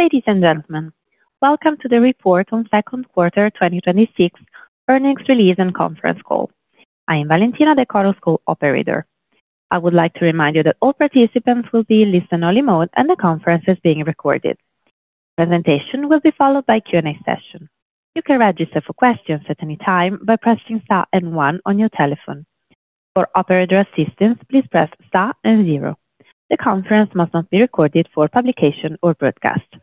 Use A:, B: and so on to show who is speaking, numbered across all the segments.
A: Ladies and gentlemen, welcome to the report on the second quarter 2026 earnings release and conference call. I am Valentina, the call's co-operator. I would like to remind you that all participants will be in listen-only mode, and the conference is being recorded. Presentation will be followed by a Q&A session. You can register for questions at any time by pressing star and one on your telephone. For operator assistance, please press star and zero. The conference must not be recorded for publication or broadcast.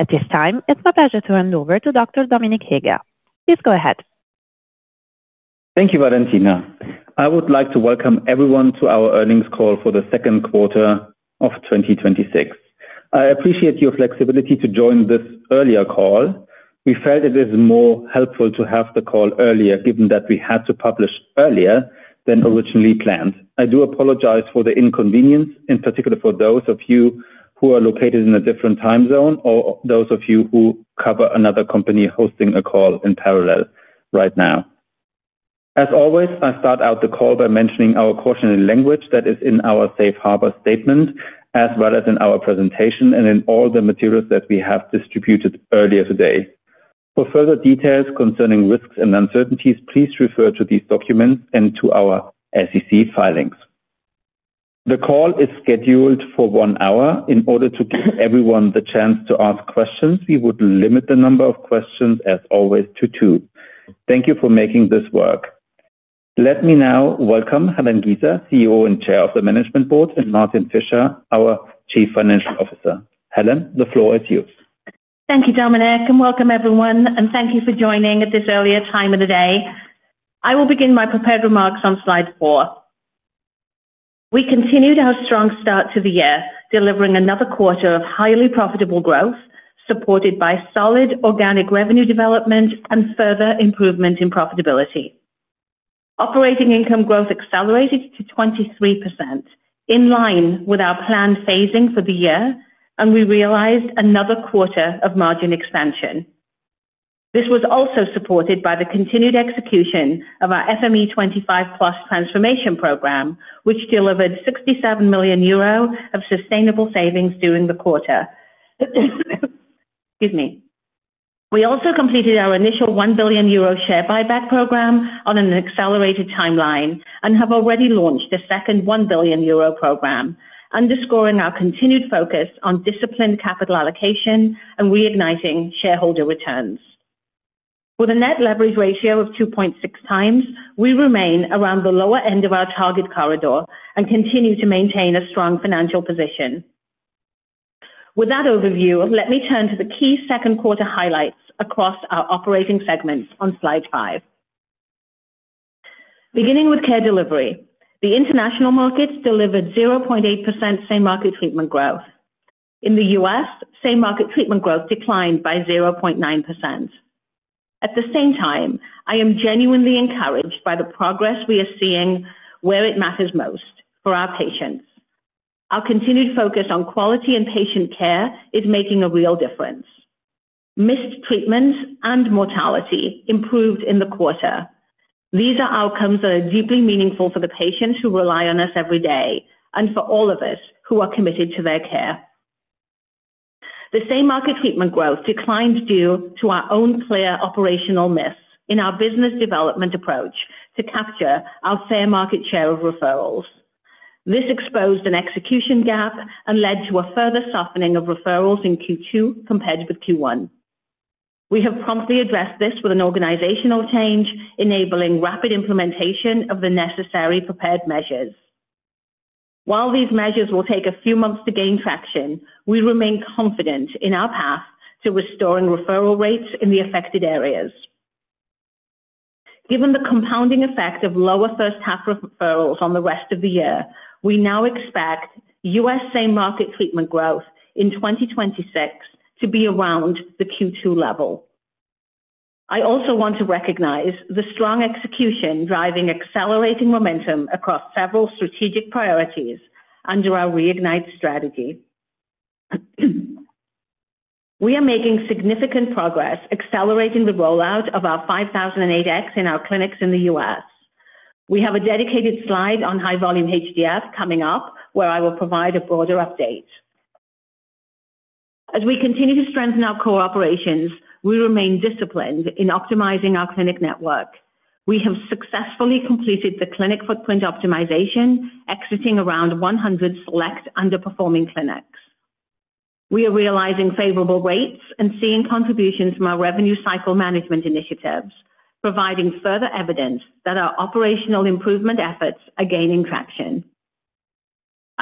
A: At this time, it's my pleasure to hand over to Dr. Dominik Heger. Please go ahead.
B: Thank you, Valentina. I would like to welcome everyone to our earnings call for the second quarter of 2026. I appreciate your flexibility to join this earlier call. We felt it is more helpful to have the call earlier, given that we had to publish earlier than originally planned. I do apologize for the inconvenience, in particular for those of you who are located in a different time zone or those of you who cover another company hosting a call in parallel right now. As always, I start out the call by mentioning our caution in language that is in our safe harbor statement, as well as in our presentation and in all the materials that we have distributed earlier today. For further details concerning risks and uncertainties, please refer to these documents and to our SEC filings. The call is scheduled for one hour. In order to give everyone the chance to ask questions, we would limit the number of questions, as always, to two. Thank you for making this work. Let me now welcome Helen Giza, CEO and Chair of the Management Board, and Martin Fischer, our Chief Financial Officer. Helen, the floor is yours.
C: Thank you, Dominik. Welcome everyone, and thank you for joining at this earlier time of the day. I will begin my prepared remarks on slide four. We continued our strong start to the year, delivering another quarter of highly profitable growth, supported by solid organic revenue development and further improvement in profitability. Operating income growth accelerated to 23%, in line with our planned phasing for the year, and we realized another quarter of margin expansion. This was also supported by the continued execution of our FME25+ transformation program, which delivered 67 million euro of sustainable savings during the quarter. Excuse me. We also completed our initial 1 billion euro share buyback program on an accelerated timeline and have already launched a second 1 billion euro program, underscoring our continued focus on disciplined capital allocation and reigniting shareholder returns. With a net leverage ratio of 2.6x, we remain around the lower end of our target corridor and continue to maintain a strong financial position. With that overview, let me turn to the key second quarter highlights across our operating segments on slide five. Beginning with Care Delivery, the international markets delivered 0.8% same-market treatment growth. In the U.S., same-market treatment growth declined by 0.9%. At the same time, I am genuinely encouraged by the progress we are seeing where it matters most, for our patients. Our continued focus on quality and patient care is making a real difference. Missed treatment and mortality improved in the quarter. These are outcomes that are deeply meaningful for the patients who rely on us every day and for all of us who are committed to their care. The same-market treatment growth declined due to our own clear operational miss in our business development approach to capture our fair market share of referrals. This exposed an execution gap and led to a further softening of referrals in Q2 compared with Q1. We have promptly addressed this with an organizational change, enabling rapid implementation of the necessary prepared measures. While these measures will take a few months to gain traction, we remain confident in our path to restoring referral rates in the affected areas. Given the compounding effect of lower first-half referrals on the rest of the year, we now expect U.S. same-market treatment growth in 2026 to be around the Q2 level. I also want to recognize the strong execution driving accelerating momentum across several strategic priorities under our Reignite strategy. We are making significant progress accelerating the rollout of our 5008X in our clinics in the U.S. We have a dedicated slide on high-volume HDF coming up, where I will provide a broader update. As we continue to strengthen our cooperation, we remain disciplined in optimizing our clinic network. We have successfully completed the clinic footprint optimization, exiting around 100 select underperforming clinics. We are realizing favorable rates and seeing contributions from our revenue cycle management initiatives, providing further evidence that our operational improvement efforts are gaining traction.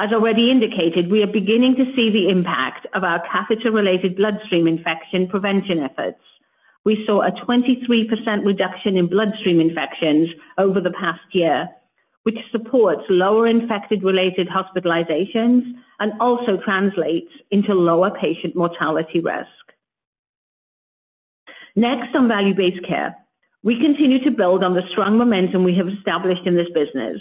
C: As already indicated, we are beginning to see the impact of our catheter-related-bloodstream infection prevention efforts. We saw a 23% reduction in bloodstream infections over the past year, which supports lower infection-related hospitalizations and also translates into lower patient mortality risk. Next, on Value-Based Care. We continue to build on the strong momentum we have established in this business.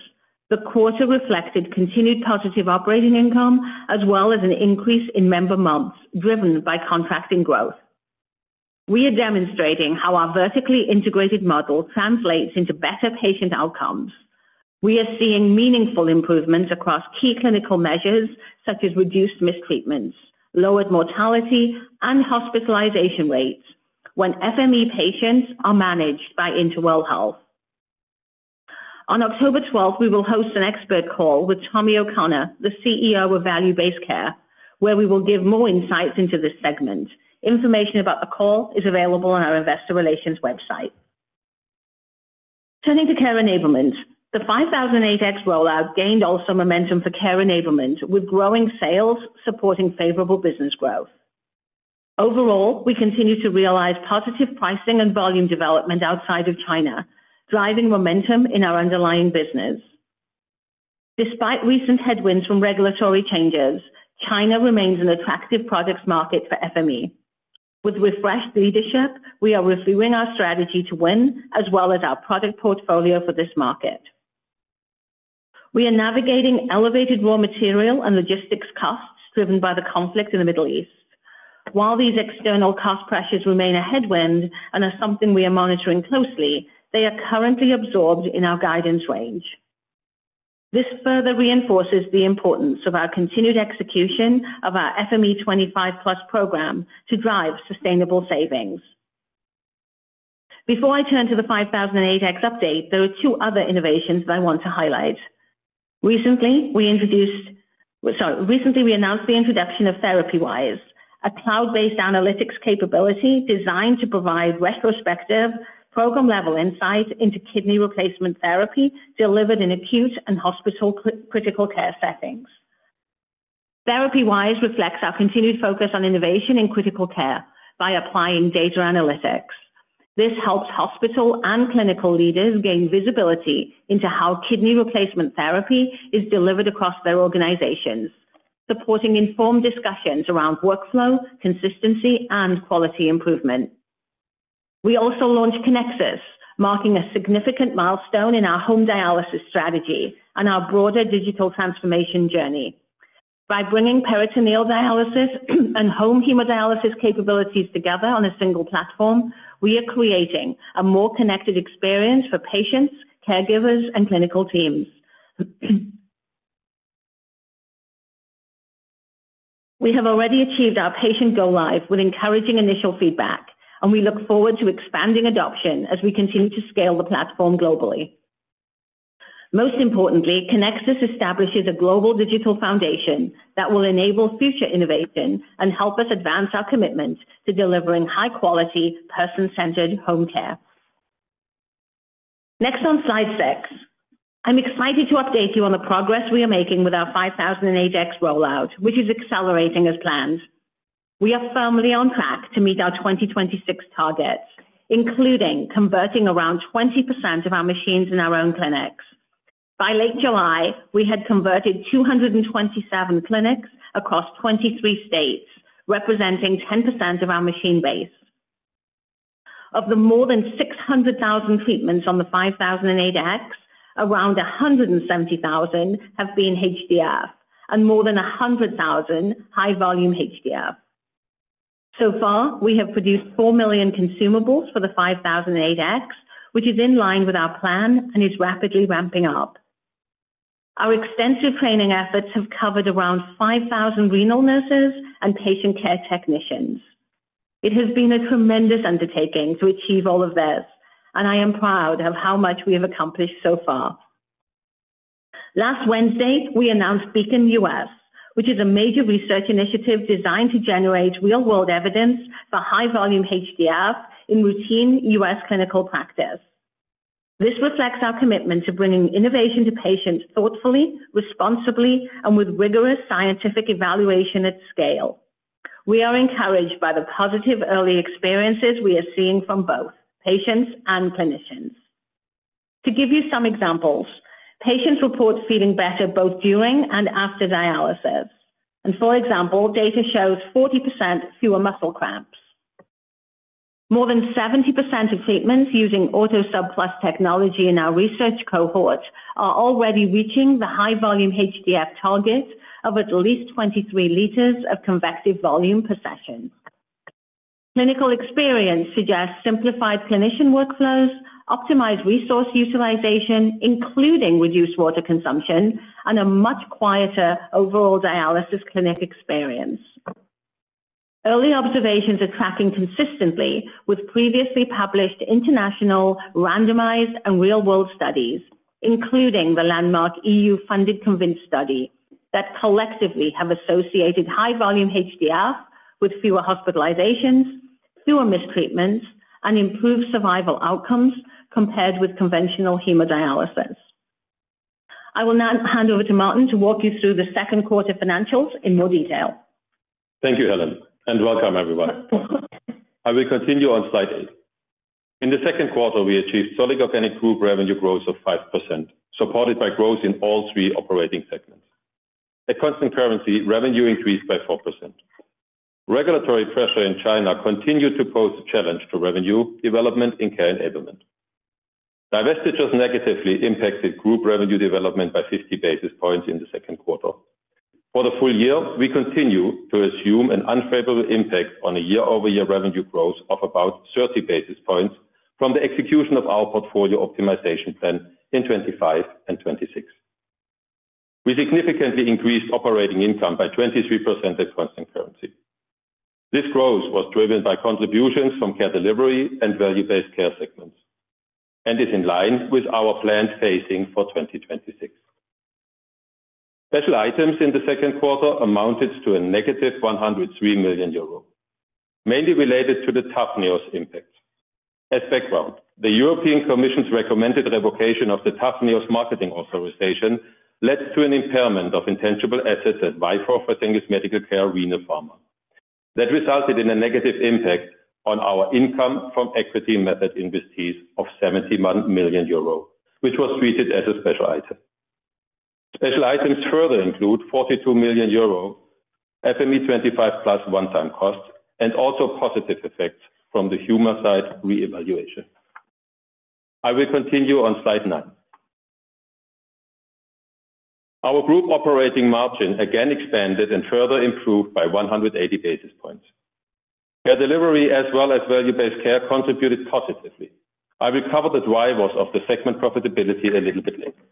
C: The quarter reflected continued positive operating income as well as an increase in member months, driven by contracting growth. We are demonstrating how our vertically integrated model translates into better patient outcomes. We are seeing meaningful improvements across key clinical measures such as reduced mistreatments, lowered mortality, and hospitalization rates when FME patients are managed by InterWell Health. On October 12th, we will host an expert call with Tommy O'Connor, the CEO of Value-Based Care, where we will give more insights into this segment. Information about the call is available on our investor relations website. Turning to Care Enablement, the 5008X rollout gained also momentum for Care Enablement, with growing sales supporting favorable business growth. Overall, we continue to realize positive pricing and volume development outside of China, driving momentum in our underlying business. Despite recent headwinds from regulatory changes, China remains an attractive products market for FME. With refreshed leadership, we are reviewing our strategy to win, as well as our product portfolio for this market. We are navigating elevated raw material and logistics costs driven by the conflict in the Middle East. While these external cost pressures remain a headwind and are something we are monitoring closely, they are currently absorbed in our guidance range. This further reinforces the importance of our continued execution of our FME25+ program to drive sustainable savings. Before I turn to the 5008X update, there are two other innovations that I want to highlight. Recently, we announced the introduction of TherapyWise, a cloud-based analytics capability designed to provide retrospective program-level insight into kidney replacement therapy delivered in acute and hospital critical care settings. TherapyWise reflects our continued focus on innovation in critical care by applying data analytics. This helps hospital and clinical leaders gain visibility into how kidney replacement therapy is delivered across their organizations, supporting informed discussions around workflow, consistency, and quality improvement. We also launched Kinexus, marking a significant milestone in our home dialysis strategy and our broader digital transformation journey. By bringing peritoneal dialysis and home hemodialysis capabilities together on a single platform, we are creating a more connected experience for patients, caregivers, and clinical teams. We have already achieved our patient go-live with encouraging initial feedback, and we look forward to expanding adoption as we continue to scale the platform globally. Most importantly, Kinexus establishes a global digital foundation that will enable future innovation and help us advance our commitment to delivering high-quality, person-centered home care. Next on slide six, I'm excited to update you on the progress we are making with our 5008X rollout, which is accelerating as planned. We are firmly on track to meet our 2026 targets, including converting around 20% of our machines in our own clinics. By late July, we had converted 227 clinics across 23 states, representing 10% of our machine base. Of the more than 600,000 treatments on the 5008X, around 170,000 have been HDF and more than 100,000 high-volume HDF. So far, we have produced 4 million consumables for the 5008X, which is in line with our plan and is rapidly ramping up. Our extensive training efforts have covered around 5,000 renal nurses and patient care technicians. It has been a tremendous undertaking to achieve all of this, and I am proud of how much we have accomplished so far. Last Wednesday, we announced BEACON-US, which is a major research initiative designed to generate real-world evidence for high-volume HDF in routine U.S. clinical practice. This reflects our commitment to bringing innovation to patients thoughtfully, responsibly, and with rigorous scientific evaluation at scale. We are encouraged by the positive early experiences we are seeing from both patients and clinicians. To give you some examples, patients report feeling better both during and after dialysis, and for example, data show 40% fewer muscle cramps. More than 70% of treatments using AutoSub plus technology in our research cohort are already reaching the high-volume HDF target of at least 23 L of convective volume per session. Clinical experience suggests simplified clinician workflows, optimized resource utilization, including reduced water consumption, and a much quieter overall dialysis clinic experience. Early observations are tracking consistently with previously published international randomized and real-world studies, including the landmark EU-funded CONVINCE study, that collectively have associated high-volume HDF with fewer hospitalizations, fewer mistreatments, and improved survival outcomes compared with conventional hemodialysis. I will now hand over to Martin to walk you through the second quarter financials in more detail.
D: Thank you, Helen. Welcome everyone. I will continue on slide eight. In the second quarter, we achieved solid organic group revenue growth of 5%, supported by growth in all three operating segments. At constant currency, revenue increased by 4%. Regulatory pressure in China continued to pose a challenge to revenue development in Care Enablement. Divestitures negatively impacted group revenue development by 50 basis points in the second quarter. For the full year, we continue to assume an unfavorable impact on year-over-year revenue growth of about 30 basis points from the execution of our portfolio optimization plan in 2025 and 2026. We significantly increased operating income by 23% at constant currency. This growth was driven by contributions from Care Delivery and Value-Based Care segments and is in line with our planned phasing for 2026. Special items in the second quarter amounted to -103 million euro, mainly related to the TAVNEOS impact. As background, the European Commission's recommended revocation of the TAVNEOS marketing authorization led to an impairment of intangible assets at Vifor Fresenius Medical Care Renal Pharma. That resulted in a negative impact on our income from equity method investees of 71 million euro, which was treated as a special item. Special items further include 42 million euro FME25+ one-time cost and also positive effects from the Humacyte reevaluation. I will continue on slide nine. Our group operating margin again expanded and further improved by 180 basis points. Care Delivery as well as Value-Based Care contributed positively. I will cover the drivers of the segment profitability a little bit later.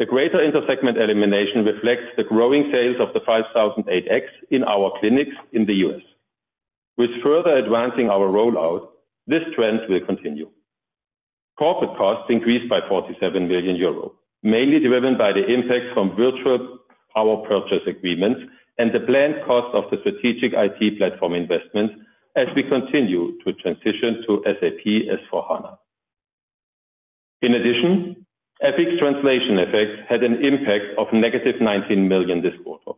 D: The greater intersegment elimination reflects the growing sales of the 5008X in our clinics in the U.S. With further advancing our rollout, this trend will continue. Corporate costs increased by 47 million euro, mainly driven by the impact from virtual power purchase agreements and the planned cost of the strategic IT platform investment as we continue to transition to SAP S/4HANA. In addition, FX translation effects had an impact of negative 19 million this quarter.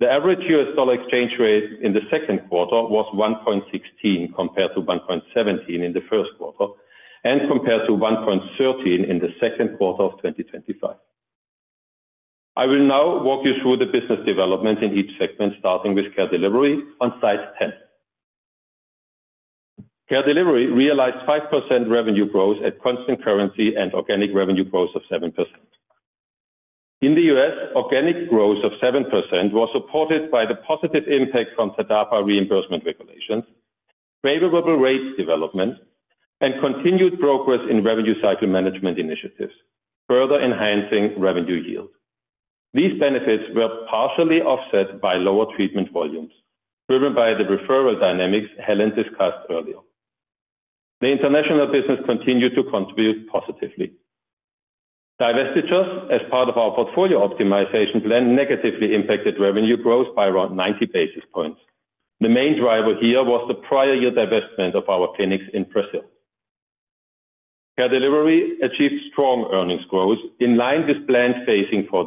D: The average U.S. dollar exchange rate in the second quarter was 1.16 compared to 1.17 in the first quarter and compared to 1.13 in the second quarter of 2025. I will now walk you through the business development in each segment, starting with Care Delivery on slide 10. Care Delivery realized 5% revenue growth at constant currency and organic revenue growth of 7%. In the U.S., organic growth of 7% was supported by the positive impact from TDAPA reimbursement regulations, favorable rate development, and continued progress in revenue cycle management initiatives, further enhancing revenue yield. These benefits were partially offset by lower treatment volumes driven by the referral dynamics Helen discussed earlier. The international business continued to contribute positively. Divestitures as part of our portfolio optimization plan negatively impacted revenue growth by around 90 basis points. The main driver here was the prior year divestment of our clinics in Brazil. Care Delivery achieved strong earnings growth in line with planned phasing for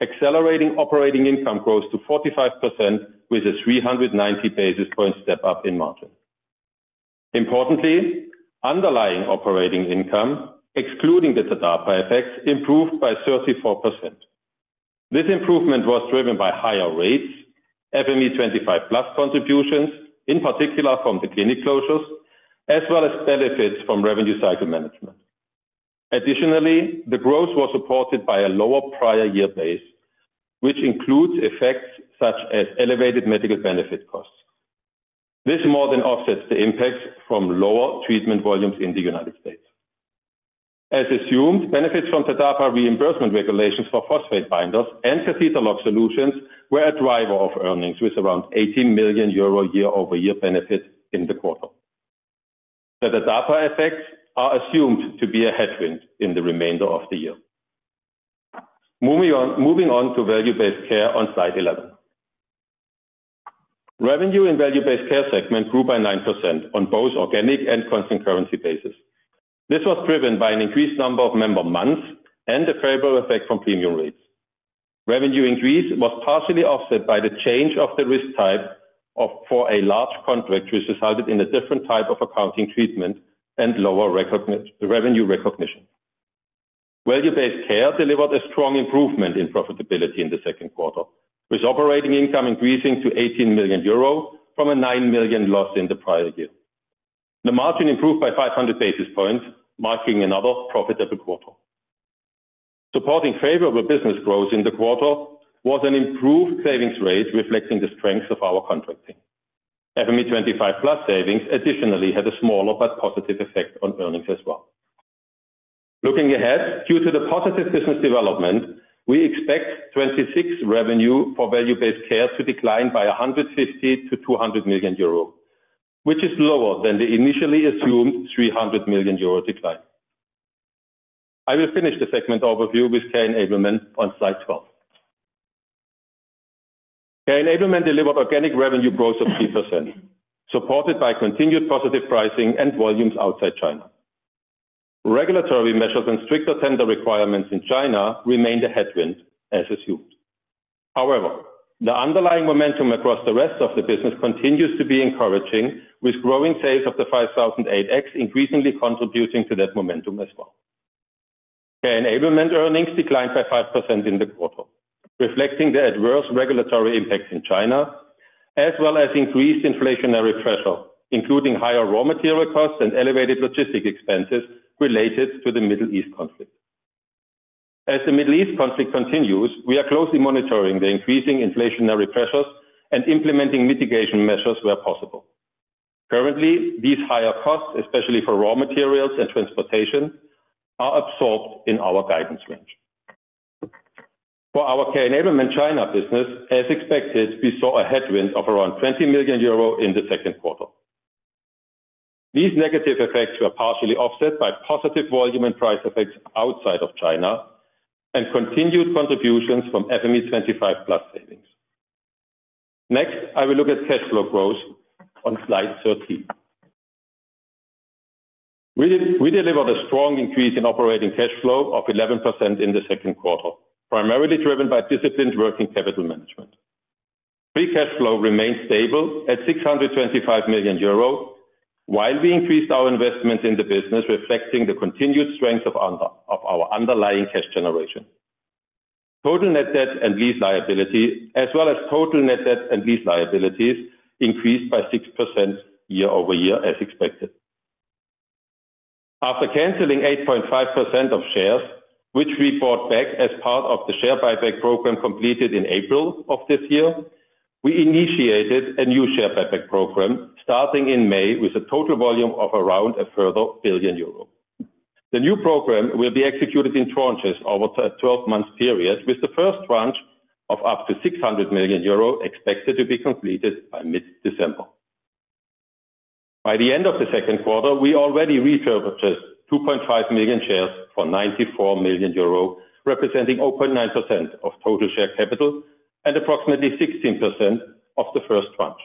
D: the year, accelerating operating income growth to 45% with a 390 basis point step-up in margin. Importantly, underlying operating income, excluding the TDAPA effects, improved by 34%. This improvement was driven by higher rates, FME25+ contributions, in particular from the clinic closures, as well as benefits from revenue cycle management. Additionally, the growth was supported by a lower prior-year base, which includes effects such as elevated medical benefit costs. This more than offsets the impact from lower treatment volumes in the United States. As assumed, benefits from TDAPA reimbursement regulations for phosphate binders and catheter lock solutions were a driver of earnings, with around 80 million euro year-over-year benefit in the quarter. The TDAPA effects are assumed to be a headwind in the remainder of the year. Moving on to Value-Based Care on slide 11. Revenue in the Value-Based Care segment grew by 9% on both organic and constant-currency basis. This was driven by an increased number of member months and the favorable effect from premium rates. Revenue increase was partially offset by the change of the risk type for a large contract, which resulted in a different type of accounting treatment and lower revenue recognition. Value-Based Care delivered a strong improvement in profitability in the second quarter, with operating income increasing to 18 million euro from a 9 million loss in the prior year. The margin improved by 500 basis points, marking another profitable quarter. Supporting favorable business growth in the quarter was an improved savings rate reflecting the strength of our contracting. FME25+ savings additionally had a smaller but positive effect on earnings as well. Looking ahead, due to the positive business development, we expect 2026 revenue for Value-Based Care to decline by 150 million to 200 million euro, which is lower than the initially assumed 300 million euro decline. I will finish the segment overview with Care Enablement on slide 12. Care Enablement delivered organic revenue growth of 3%, supported by continued positive pricing and volumes outside China. Regulatory measures and stricter tender requirements in China remained a headwind as assumed. However, the underlying momentum across the rest of the business continues to be encouraging, with growing sales of the 5008X increasingly contributing to that momentum as well. Care Enablement earnings declined by 5% in the quarter, reflecting the adverse regulatory impact in China, as well as increased inflationary pressure, including higher raw material costs and elevated logistic expenses related to the Middle East conflict. As the Middle East conflict continues, we are closely monitoring the increasing inflationary pressures and implementing mitigation measures where possible. Currently, these higher costs, especially for raw materials and transportation, are absorbed in our guidance range. For our Care Enablement China business, as expected, we saw a headwind of around 20 million euro in the second quarter. These negative effects were partially offset by positive volume and price effects outside of China and continued contributions from FME25+ savings. Next, I will look at cash flow growth on slide 13. We delivered a strong increase in operating cash flow of 11% in the second quarter, primarily driven by disciplined working capital management. Free cash flow remained stable at 625 million euros, while we increased our investment in the business, reflecting the continued strength of our underlying cash generation. Total net debt and lease liabilities increased by 6% year-over-year, as expected. After canceling 8.5% of shares, which we bought back as part of the share buyback program completed in April of this year, we initiated a new share buyback program starting in May with a total volume of around a further 1 billion euro. The new program will be executed in tranches over a 12-month period, with the first tranche of up to 600 million euro expected to be completed by mid-December. By the end of the second quarter, we already repurchased 2.5 million shares for 94 million euro, representing 0.9% of total share capital and approximately 16% of the first tranche.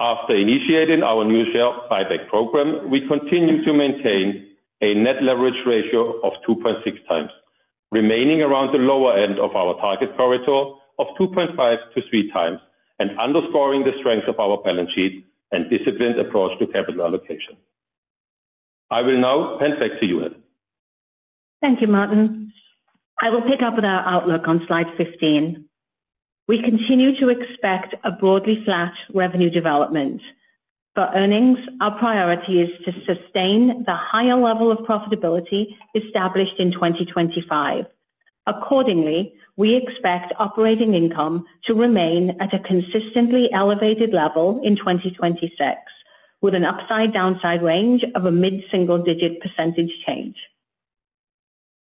D: After initiating our new share buyback program, we continue to maintain a net leverage ratio of 2.6x, remaining around the lower end of our target corridor of 2.5x to 3x, and underscoring the strength of our balance sheet and disciplined approach to capital allocation. I will now hand back to you, Helen.
C: Thank you, Martin. I will pick up with our outlook on slide 15. We continue to expect a broadly flat revenue development. For earnings, our priority is to sustain the higher level of profitability established in 2025. Accordingly, we expect operating income to remain at a consistently elevated level in 2026 with an upside/downside range of a mid-single-digit percentage change.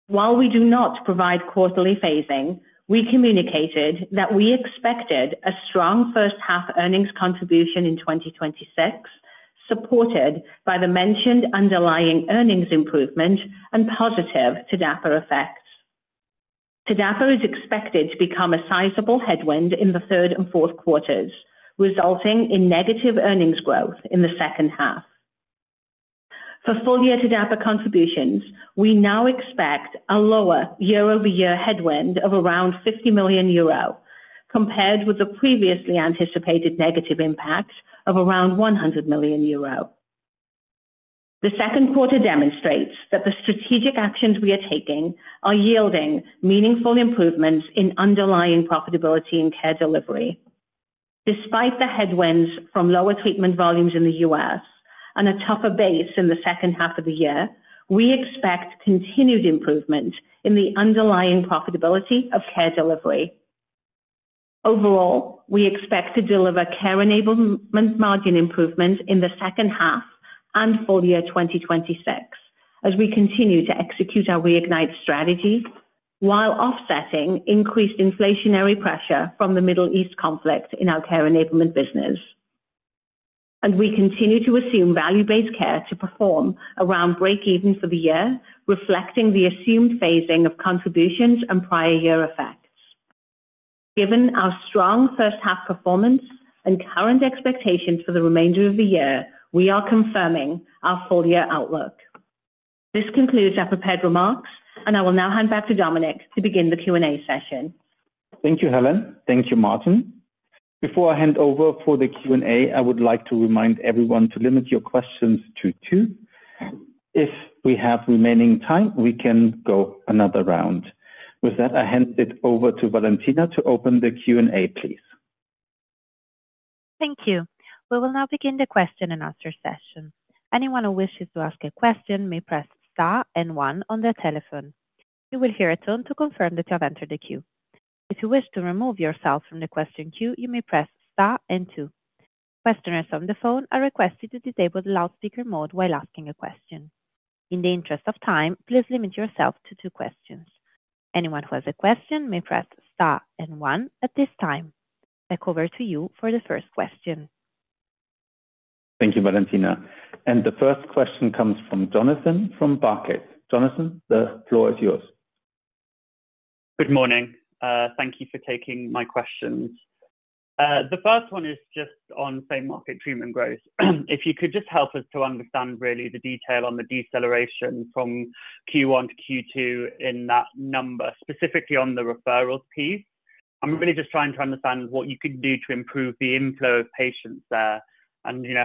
C: While we do not provide quarterly phasing, we communicated that we expected a strong first-half earnings contribution in 2026, supported by the mentioned underlying earnings improvement and positive TDAPA effects. TDAPA is expected to become a sizable headwind in the third and fourth quarters, resulting in negative earnings growth in the second half. For full-year TDAPA contributions, we now expect a lower year-over-year headwind of around 50 million euro, compared with the previously anticipated negative impact of around 100 million euro. The second quarter demonstrates that the strategic actions we are taking are yielding meaningful improvements in underlying profitability and Care Delivery. Despite the headwinds from lower treatment volumes in the U.S. and a tougher base in the second half of the year, we expect continued improvement in the underlying profitability of Care Delivery. Overall, we expect to deliver Care Enablement margin improvement in the second half and full year 2026 as we continue to execute our Reignite strategy while offsetting increased inflationary pressure from the Middle East conflict in our Care Enablement business. We continue to assume Value-Based Care to perform around breakeven for the year, reflecting the assumed phasing of contributions and prior-year effects. Given our strong first half performance and current expectations for the remainder of the year, we are confirming our full-year outlook. This concludes our prepared remarks. I will now hand back to Dominik to begin the Q&A session.
B: Thank you, Helen. Thank you, Martin. Before I hand over for the Q&A, I would like to remind everyone to limit your questions to two. If we have remaining time, we can go another round. With that, I hand it over to Valentina to open the Q&A, please.
A: Thank you. We will now begin the question-and-answer session. Anyone who wishes to ask a question may press star and one on their telephone. You will hear a tone to confirm that you have entered the queue. If you wish to remove yourself from the question queue, you may press star and two. Questioners on the phone are requested to disable the loudspeaker mode while asking a question. In the interest of time, please limit yourself to two questions. Anyone who has a question may press star and one at this time. Back over to you for the first question.
B: Thank you, Valentina. The first question comes from Jonathan from Barclays. Jonathan, the floor is yours.
E: Good morning. Thank you for taking my questions. The first one is just on same-market treatment growth. If you could just help us to understand really the detail on the deceleration from Q1 to Q2 in that number, specifically on the referrals piece, I'm really just trying to understand what you could do to improve the inflow of patients there.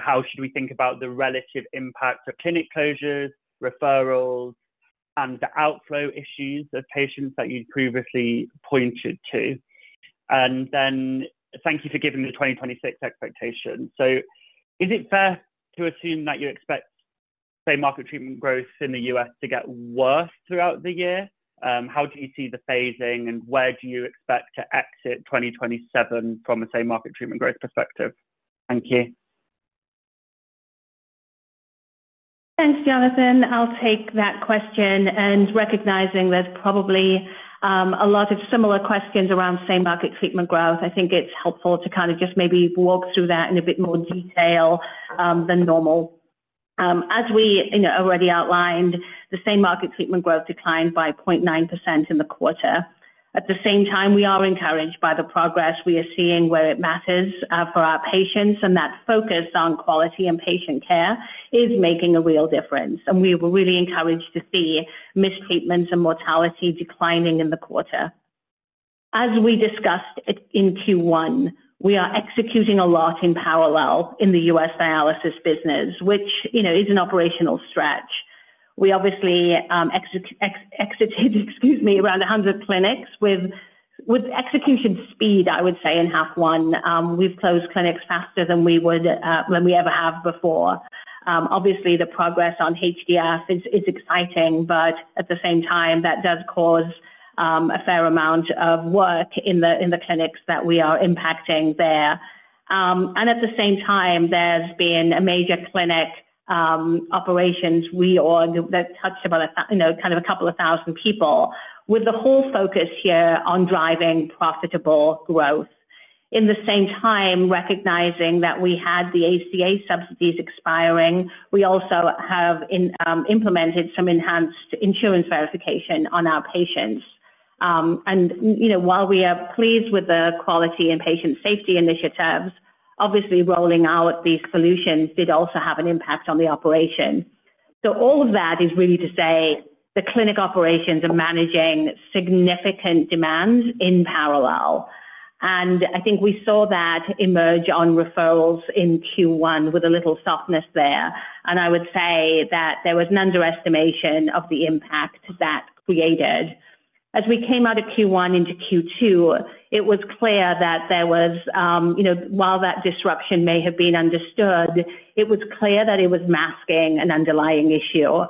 E: How should we think about the relative impact of clinic closures, referrals, and the outflow issues of patients that you'd previously pointed to? Thank you for giving the 2026 expectation. Is it fair to assume that you expect same-market treatment growth in the U.S. to get worse throughout the year? How do you see the phasing, and where do you expect to exit 2027 from a same-market treatment growth perspective? Thank you.
C: Thanks, Jonathan. I'll take that question. Recognizing there's probably a lot of similar questions around same-market treatment growth. I think it's helpful to kind of just maybe walk through that in a bit more detail than normal. As we already outlined, the same-market treatment growth declined by 0.9% in the quarter. At the same time, we are encouraged by the progress we are seeing where it matters for our patients, and that focus on quality and patient care is making a real difference. We were really encouraged to see mistreatments and mortality declining in the quarter. As we discussed it in Q1, we are executing a lot in parallel in the U.S. dialysis business, which is an operational stretch. We obviously exited around 100 clinics with execution speed, I would say in half one. We've closed clinics faster than we ever have before. The progress on HDF is exciting, but at the same time, that does cause a fair amount of work in the clinics that we are impacting there. At the same time, there's been major clinic operations that touched upon kind of a couple of 1,000 people, with the whole focus here on driving profitable growth. In the same time, recognizing that we had the ACA subsidies expiring, we also have implemented some enhanced insurance verification on our patients. While we are pleased with the quality and patient safety initiatives, obviously rolling out these solutions did also have an impact on the operation. All of that is really to say the clinic operations are managing significant demands in parallel. I think we saw that emerge on referrals in Q1 with a little softness there. I would say that there was an underestimation of the impact that created. As we came out of Q1 into Q2, it was clear that while that disruption may have been understood, it was clear that it was masking an underlying issue.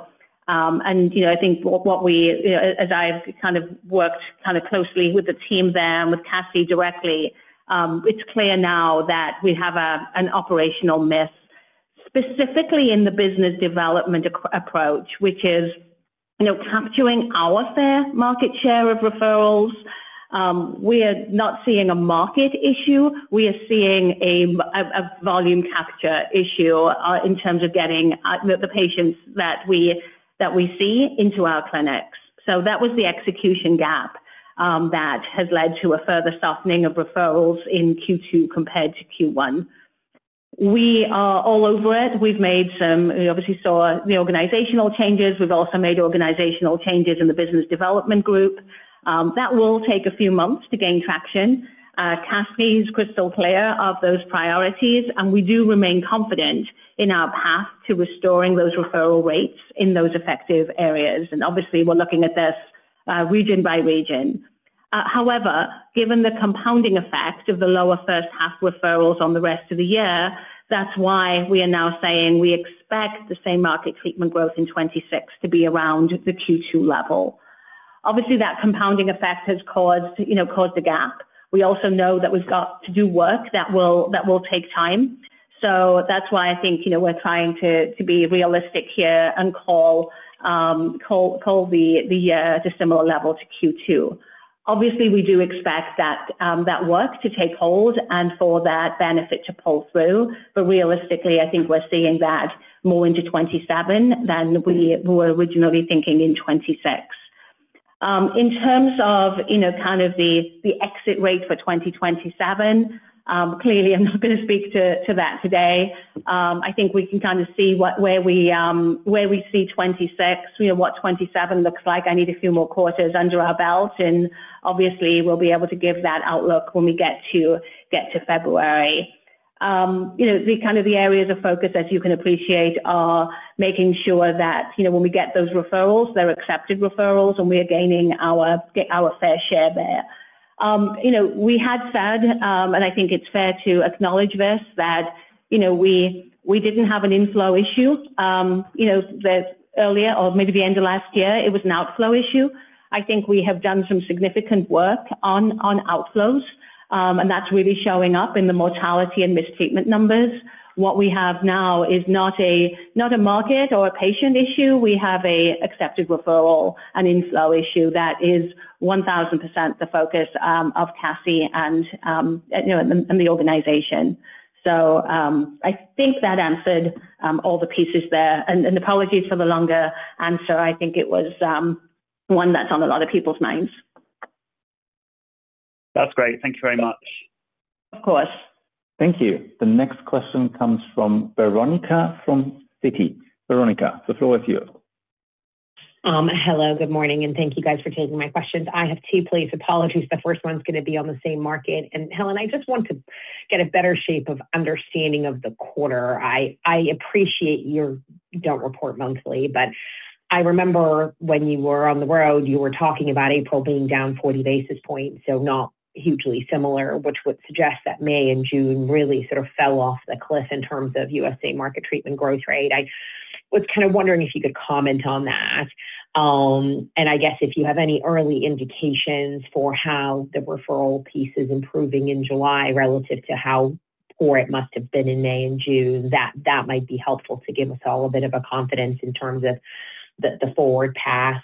C: I think as I've kind of worked closely with the team there and with Cassie directly, it's clear now that we have an operational miss, specifically in the business development approach, which is capturing our fair market share of referrals. We are not seeing a market issue. We are seeing a volume capture issue in terms of getting the patients that we see into our clinics. That was the execution gap that has led to a further softening of referrals in Q2 compared to Q1. We are all over it. We obviously saw the organizational changes. We've also made organizational changes in the business development group. That will take a few months to gain traction. Cassie's crystal clear of those priorities, and we do remain confident in our path to restoring those referral rates in those effective areas. Obviously, we're looking at this region by region. However, given the compounding effect of the lower first-half referrals on the rest of the year, that's why we are now saying we expect the same-market treatment growth in 2026 to be around the Q2 level. That compounding effect has caused a gap. We also know that we've got to do work that will take time. That's why I think we're trying to be realistic here and call the year at a similar level to Q2. We do expect that work to take hold and for that benefit to pull through. Realistically, I think we're seeing that more into 2027 than we were originally thinking in 2026. In terms of kind of the exit rate for 2027, clearly I'm not going to speak to that today. I think we can kind of see where we see 2026, what 2027 looks like. I need a few more quarters under our belt, obviously, we'll be able to give that outlook when we get to February. The areas of focus, as you can appreciate, are making sure that when we get those referrals, they're accepted referrals and we are gaining our fair share there. We had said, and I think it's fair to acknowledge this, that we didn't have an inflow issue earlier or maybe at the end of last year. It was an outflow issue. I think we have done some significant work on outflows. That's really showing up in the mortality and mistreatment numbers. What we have now is not a market or a patient issue. We have an accepted referral, an inflow issue that is 1,000% the focus of Cassie and the organization. I think that answered all the pieces there. Apologies for the longer answer. I think it was one that's on a lot of people's minds.
E: That's great. Thank you very much.
C: Of course.
B: Thank you. The next question comes from Veronika from Citi. Veronika, the floor is yours.
F: Hello, good morning, and thank you, guys, for taking my questions. I have two, please. Apologies, the first one's going to be on the same market. Helen, I just want to get a better shape of understanding of the quarter. I appreciate you don't report monthly, but I remember when you were on the road, you were talking about April being down 40 basis points, so not hugely similar, which would suggest that May and June really sort of fell off the cliff in terms of U.S.A. market treatment growth rate. I was kind of wondering if you could comment on that. I guess if you have any early indications for how the referral piece is improving in July relative to how poor it must have been in May and June, that might be helpful to give us all a bit of confidence in terms of the forward path.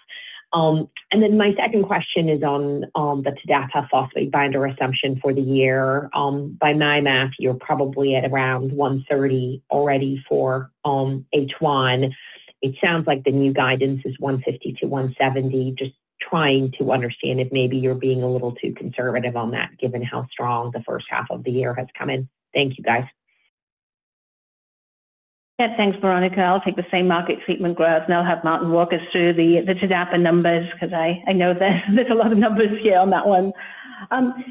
F: Then my second question is on the TDAPA phosphate binder assumption for the year. By my math, you're probably at around 130 already for H1. It sounds like the new guidance is 150-170. Just trying to understand if maybe you're being a little too conservative on that, given how strong the first half of the year has come in. Thank you, guys.
C: Thanks, Veronika. I will take the same-market treatment growth, and I will have Martin walk us through the TDAPA numbers, because I know there is a lot of numbers here on that one.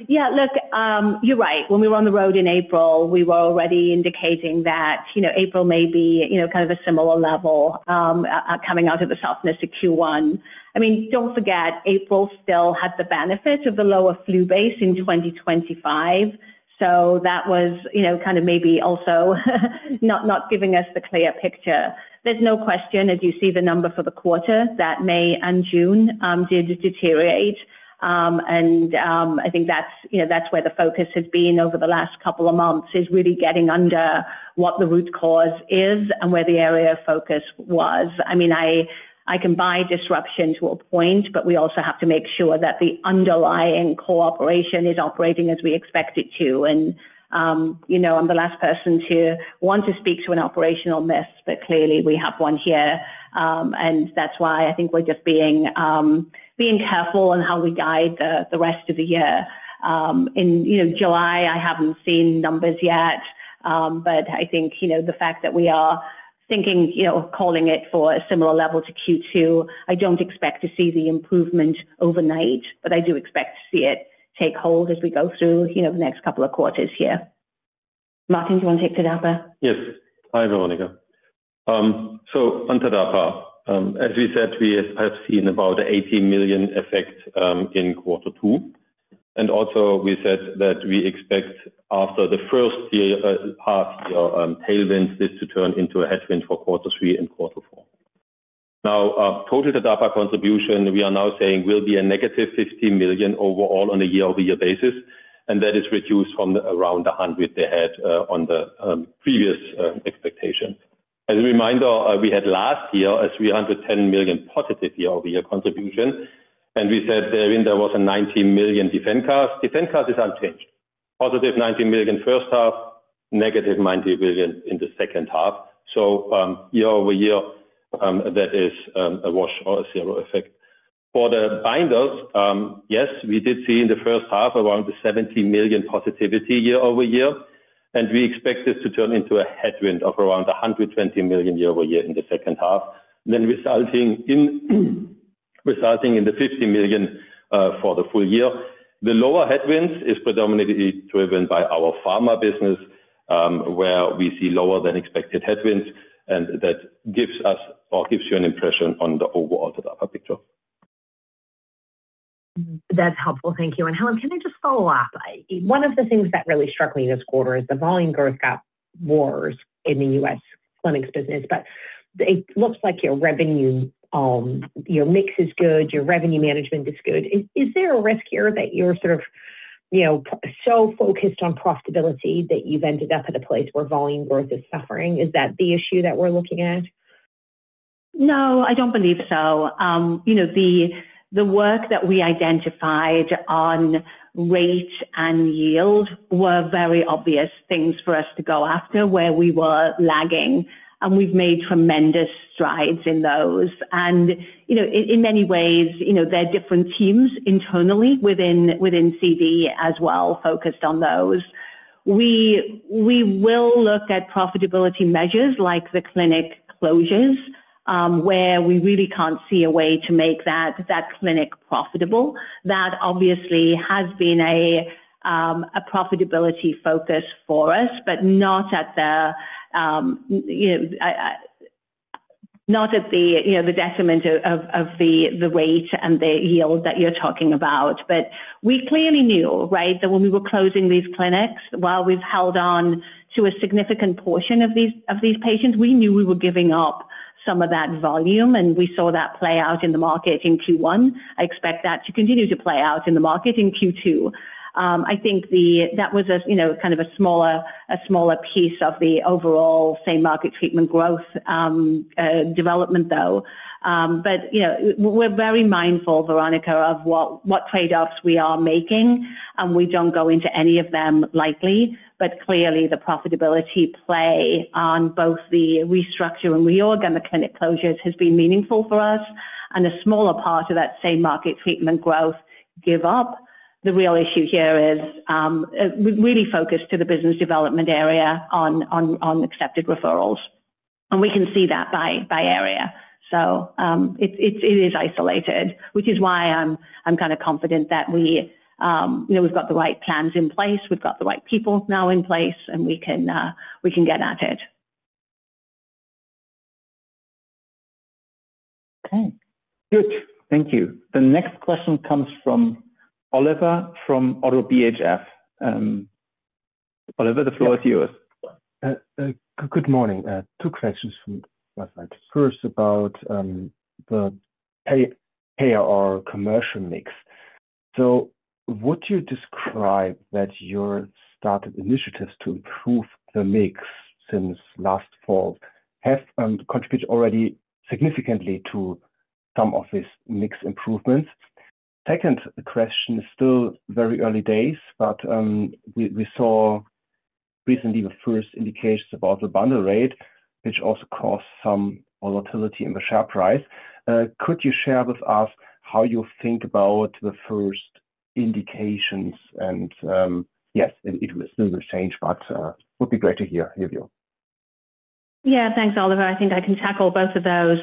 C: You are right. When we were on the road in April, we were already indicating that April may be kind of a similar level coming out of the softness of Q1. Do not forget, April still had the benefit of the lower flu base in 2025. That was kind of maybe also not giving us the clear picture. There is no question, as you see the number for the quarter, that May and June did deteriorate. I think that is where the focus has been over the last couple of months, is really getting under what the root cause is and where the area of focus was. I can buy disruption to a point, but we also have to make sure that the underlying cooperation is operating as we expect it to. I am the last person to want to speak to an operational miss, but clearly we have one here. That is why I think we are just being careful on how we guide the rest of the year. In July, I have not seen numbers yet, but I think the fact that we are calling it for a similar level to Q2, I do not expect to see the improvement overnight, but I do expect to see it take hold as we go through the next couple of quarters here. Martin, do you want to take TDAPA?
D: Yes. Hi, Veronika. On TDAPA, as we said, we have seen about 80 million effect in Q2. Also, we said that we expect, after the first half-year tailwinds, this to turn into a headwind for Q3 and Q4. Total TDAPA contribution, we are now saying will be a negative 50 million overall on a year-over-year basis, and that is reduced from around 100 million they had on the previous expectation. As a reminder, we had last year a 310 million positive year-over-year contribution, and we said therein there was a 90 million DefenCath. DefenCath is unchanged. +90 million in the first half, -90 million in the second half. Year-over-year, that is a wash or a zero effect. For the binders, yes, we did see in the first half around the 70 million positivity year-over-year, and we expect this to turn into a headwind of around 120 million year-over-year in the second half, resulting in the 50 million for the full year. The lower headwinds is predominantly driven by our pharma business, where we see lower-than-expected headwinds, and that gives us or gives you an impression on the overall TDAPA picture.
F: That's helpful. Thank you. Helen, can I just follow up? One of the things that really struck me this quarter is the volume growth got worse in the U.S. clinics business, but it looks like your revenue, your mix is good, your revenue management is good. Is there a risk here that you're sort of so focused on profitability that you've ended up at a place where volume growth is suffering? Is that the issue that we're looking at?
C: No, I don't believe so. The work that we identified on rate and yield were very obvious things for us to go after where we were lagging, and we've made tremendous strides in those. In many ways, they're different teams internally within CD as well, focused on those. We will look at profitability measures like the clinic closures, where we really can't see a way to make that clinic profitable. That obviously has been a profitability focus for us, but not at the detriment of the rate and the yield that you're talking about. We clearly knew that when we were closing these clinics, while we've held on to a significant portion of these patients, we knew we were giving up some of that volume, and we saw that play out in the market in Q1. I expect that to continue to play out in the market in Q2. I think that was a smaller piece of the overall same-market treatment growth development, though. We're very mindful, Veronika, of what trade-offs we are making, and we don't go into any of them lightly. Clearly, the profitability play on both the restructure and reorg and the clinic closures has been meaningful for us, and a smaller part of that same-market treatment growth give-up. The real issue here is really focused to the business development area on accepted referrals. We can see that by area. It is isolated, which is why I'm kind of confident that we've got the right plans in place, we've got the right people now in place, and we can get at it.
B: Okay. Good. Thank you. The next question comes from Oliver from ODDO BHF. Oliver, the floor is yours.
G: Good morning. Two questions from my side. First, about the payer or commercial mix. Would you describe that your started initiatives to improve the mix since last fall have already contributed significantly to some of these mix improvements? Second question is still very early days, but we saw recently the first indications about the bundle rate, which also caused some volatility in the share price. Could you share with us how you think about the first indications and, yes, it will still change, but it would be great to hear your view.
C: Yeah. Thanks, Oliver. I think I can tackle both of those.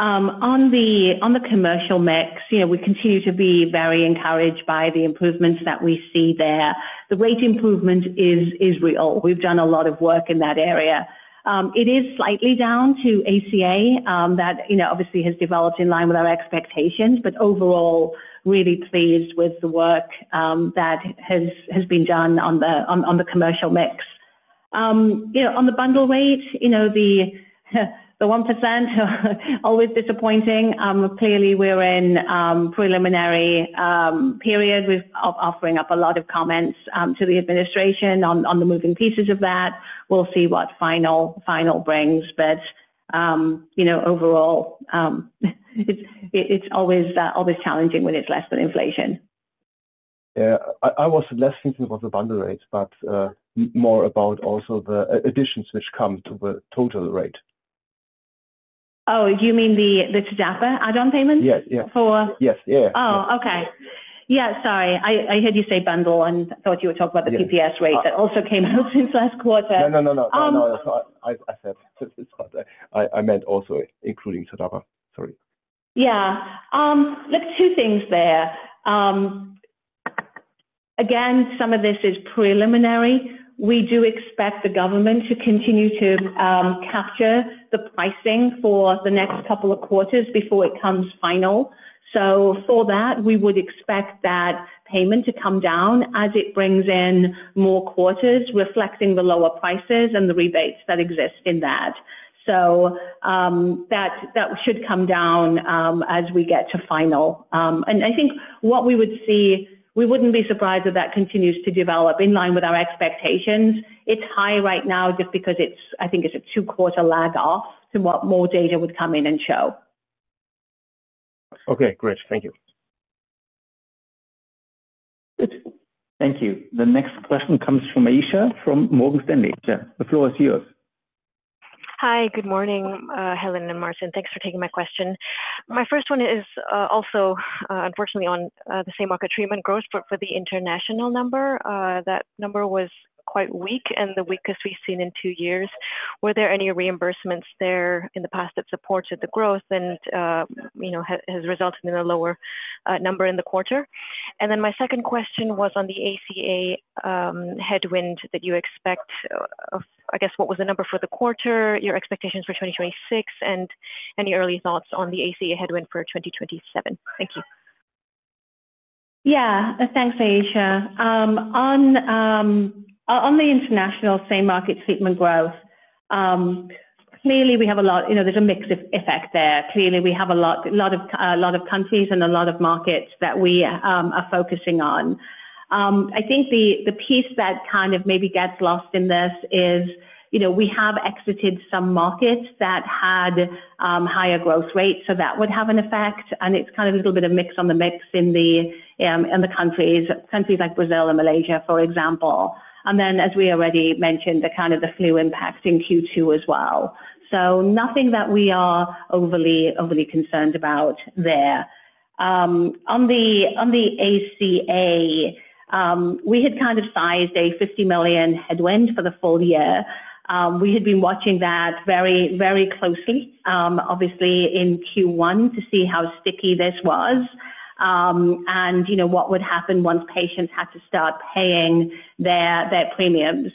C: On the commercial mix, we continue to be very encouraged by the improvements that we see there. The rate improvement is real. We've done a lot of work in that area. It is slightly down to ACA. That obviously has developed in line with our expectations, but overall, really pleased with the work that has been done on the commercial mix. On the bundle rate, the 1%, always disappointing. Clearly, we're in a preliminary period. We're offering up a lot of comments to the administration on the moving pieces of that. We'll see what the final brings, but overall, it's always challenging when it's less than inflation.
G: Yeah. I was thinking less about the bundle rate, but more about also the additions which come to the total rate.
C: Oh, you mean the TDAPA add-on payment?
G: Yes.
C: For-
G: Yes. Yeah
C: Oh, okay. Yeah, sorry. I heard you say bundle and thought you were talking about the PPS rate that also came out since last quarter.
G: No, that's all right. I said since this quarter. I meant also including TDAPA. Sorry.
C: Yeah. Look, two things there. Again, some of this is preliminary. We do expect the government to continue to capture the pricing for the next couple of quarters before it comes final. For that, we would expect that payment to come down as it brings in more quarters reflecting the lower prices and the rebates that exist in that. That should come down as we get to final. I think what we would see, we wouldn't be surprised if that continues to develop in line with our expectations. It's high right now just because it's, I think it's a two-quarter lag off to what more data would come in and show.
G: Okay, great. Thank you.
B: Good. Thank you. The next question comes from Aisyah from Morgan Stanley. Aisyah, the floor is yours.
H: Hi. Good morning, Helen and Martin. Thanks for taking my question. My first one is also, unfortunately, on the same-market treatment growth, but for the international number. That number was quite weak and the weakest we've seen in two years. Were there any reimbursements there in the past that supported the growth and has resulted in a lower number in the quarter? My second question was on the ACA headwind that you expect. I guess, what was the number for the quarter, your expectations for 2026, and any early thoughts on the ACA headwind for 2027? Thank you.
C: Yeah. Thanks, Aisyah. On the international same-market treatment growth, clearly there's a mix effect there. Clearly, we have a lot of countries and a lot of markets that we are focusing on. I think the piece that kind of maybe gets lost in this is we have exited some markets that had higher growth rates, so that would have an effect, and it's kind of a little bit of mix on the mix in the countries like Brazil and Malaysia, for example. As we already mentioned, the kind of flu impacts in Q2 as well. Nothing that we are overly concerned about there. On the ACA, we had kind of sized a 50 million headwind for the full year. We had been watching that very closely, obviously in Q1 to see how sticky this was. What would happen once patients had to start paying their premiums.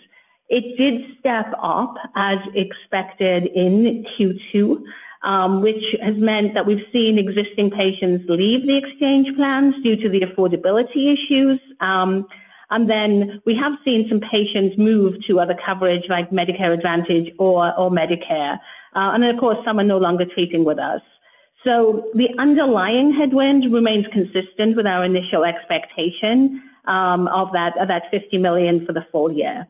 C: It did step up as expected in Q2, which has meant that we've seen existing patients leave the exchange plans due to the affordability issues. We have seen some patients move to other coverage like Medicare Advantage or Medicare. Of course, some are no longer treating with us. The underlying headwind remains consistent with our initial expectation of that 50 million for the full year.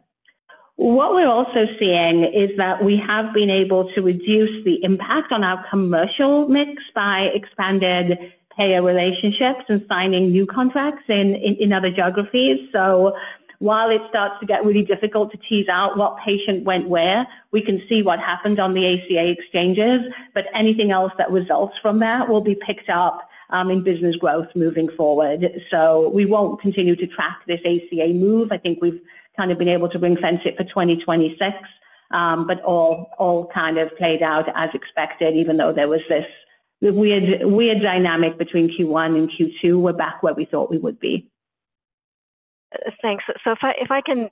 C: What we're also seeing is that we have been able to reduce the impact on our commercial mix by expanded payer relationships and signing new contracts in other geographies. While it starts to get really difficult to tease out what patient went where, we can see what happened on the ACA exchanges, but anything else that results from that will be picked up in business growth moving forward. We won't continue to track this ACA move. I think we've kind of been able to ring-fence it for 2026. All kind of played out as expected, even though there was this weird dynamic between Q1 and Q2, we're back where we thought we would be.
H: Thanks. If I can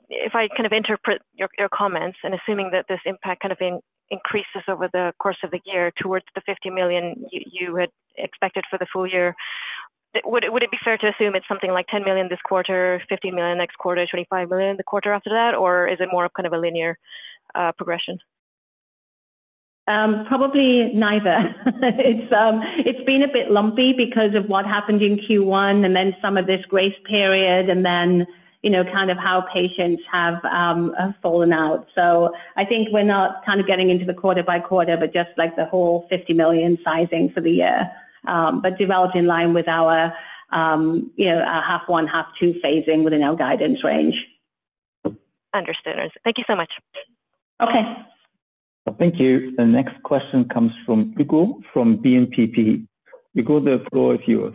H: interpret your comments, and assuming that this impact increases over the course of the year towards the 50 million you had expected for the full year, would it be fair to assume it's something like 10 million this quarter, 50 million next quarter, 25 million the quarter after that? Or is it more of a linear progression?
C: Probably neither. It's been a bit lumpy because of what happened in Q1 and then some of this grace period and then how patients have fallen out. I think we're not getting into the quarter-by-quarter, but just the whole 50 million sizing for the year. Developed in line with our half-one, half-two phasing within our guidance range.
H: Understood. Thank you so much.
C: Okay.
B: Thank you. The next question comes from Hugo from BNPP. Hugo, the floor is yours.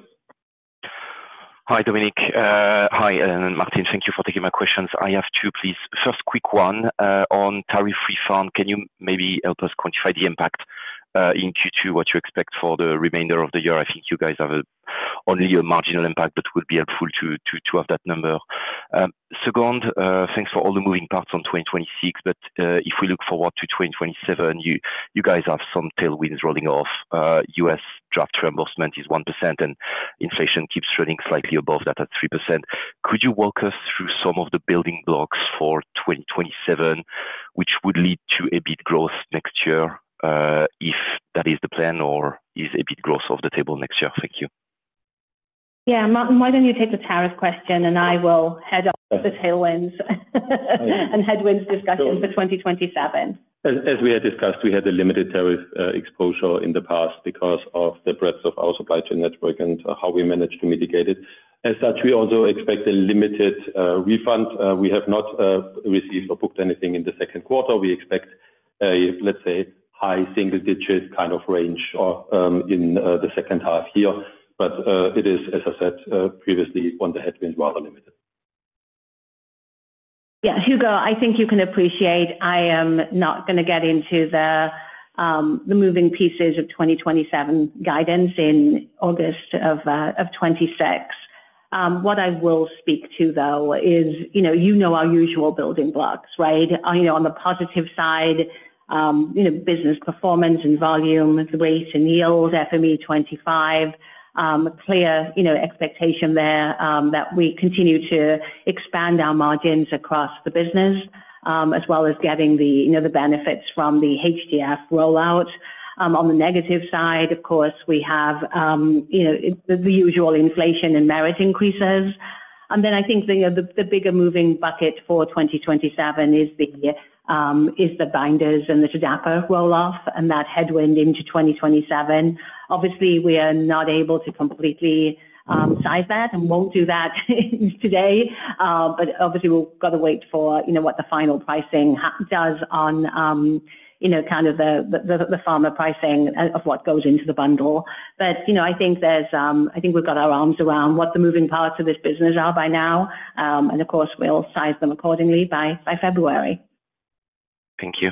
I: Hi, Dominik. Hi, Martin. Thank you for taking my questions. I have two, please. First quick one on tariff refund: can you maybe help us quantify the impact, in Q2, what you expect for the remainder of the year? I think you guys have only a marginal impact, but it would be helpful to have that number. Second, thanks for all the moving parts on 2026, but if we look forward to 2027, you guys have some tailwinds rolling off. U.S. draft reimbursement is 1%, and inflation keeps running slightly above that at 3%. Could you walk us through some of the building blocks for 2027, which would lead to EBIT growth next year, if that is the plan- or is EBIT growth off the table next year? Thank you.
C: Martin, why don't you take the tariff question and I will head off with the tailwinds and headwinds discussions for 2027.
D: As we had discussed, we had a limited tariff exposure in the past because of the breadth of our supply chain network and how we managed to mitigate it. As such, we also expect a limited refund. We have not received or booked anything in the second quarter. We expect a, let's say, high single-digit kind of range in the second half here. It is, as I said previously, on the headwind, rather limited.
C: Yeah. Hugo, I think you can appreciate I am not going to get into the moving pieces of 2027 guidance in August of 2026. What I will speak to, though, is, you know, our usual building blocks, right? On the positive side, business performance and volume, the rates and yields, FME25+. Clear expectation there that we continue to expand our margins across the business, as well as getting the benefits from the HDF rollout. On the negative side, of course, we have the usual inflation and merit increases. I think the bigger moving bucket for 2027 is the binders and the TDAPA roll-off and that headwind into 2027. Obviously, we are not able to completely size that and won't do that today. Obviously, we've got to wait for what the final pricing does on the pharma pricing of what goes into the bundle. I think we've got our arms around what the moving parts of this business are by now. Of course, we'll size them accordingly by February.
I: Thank you.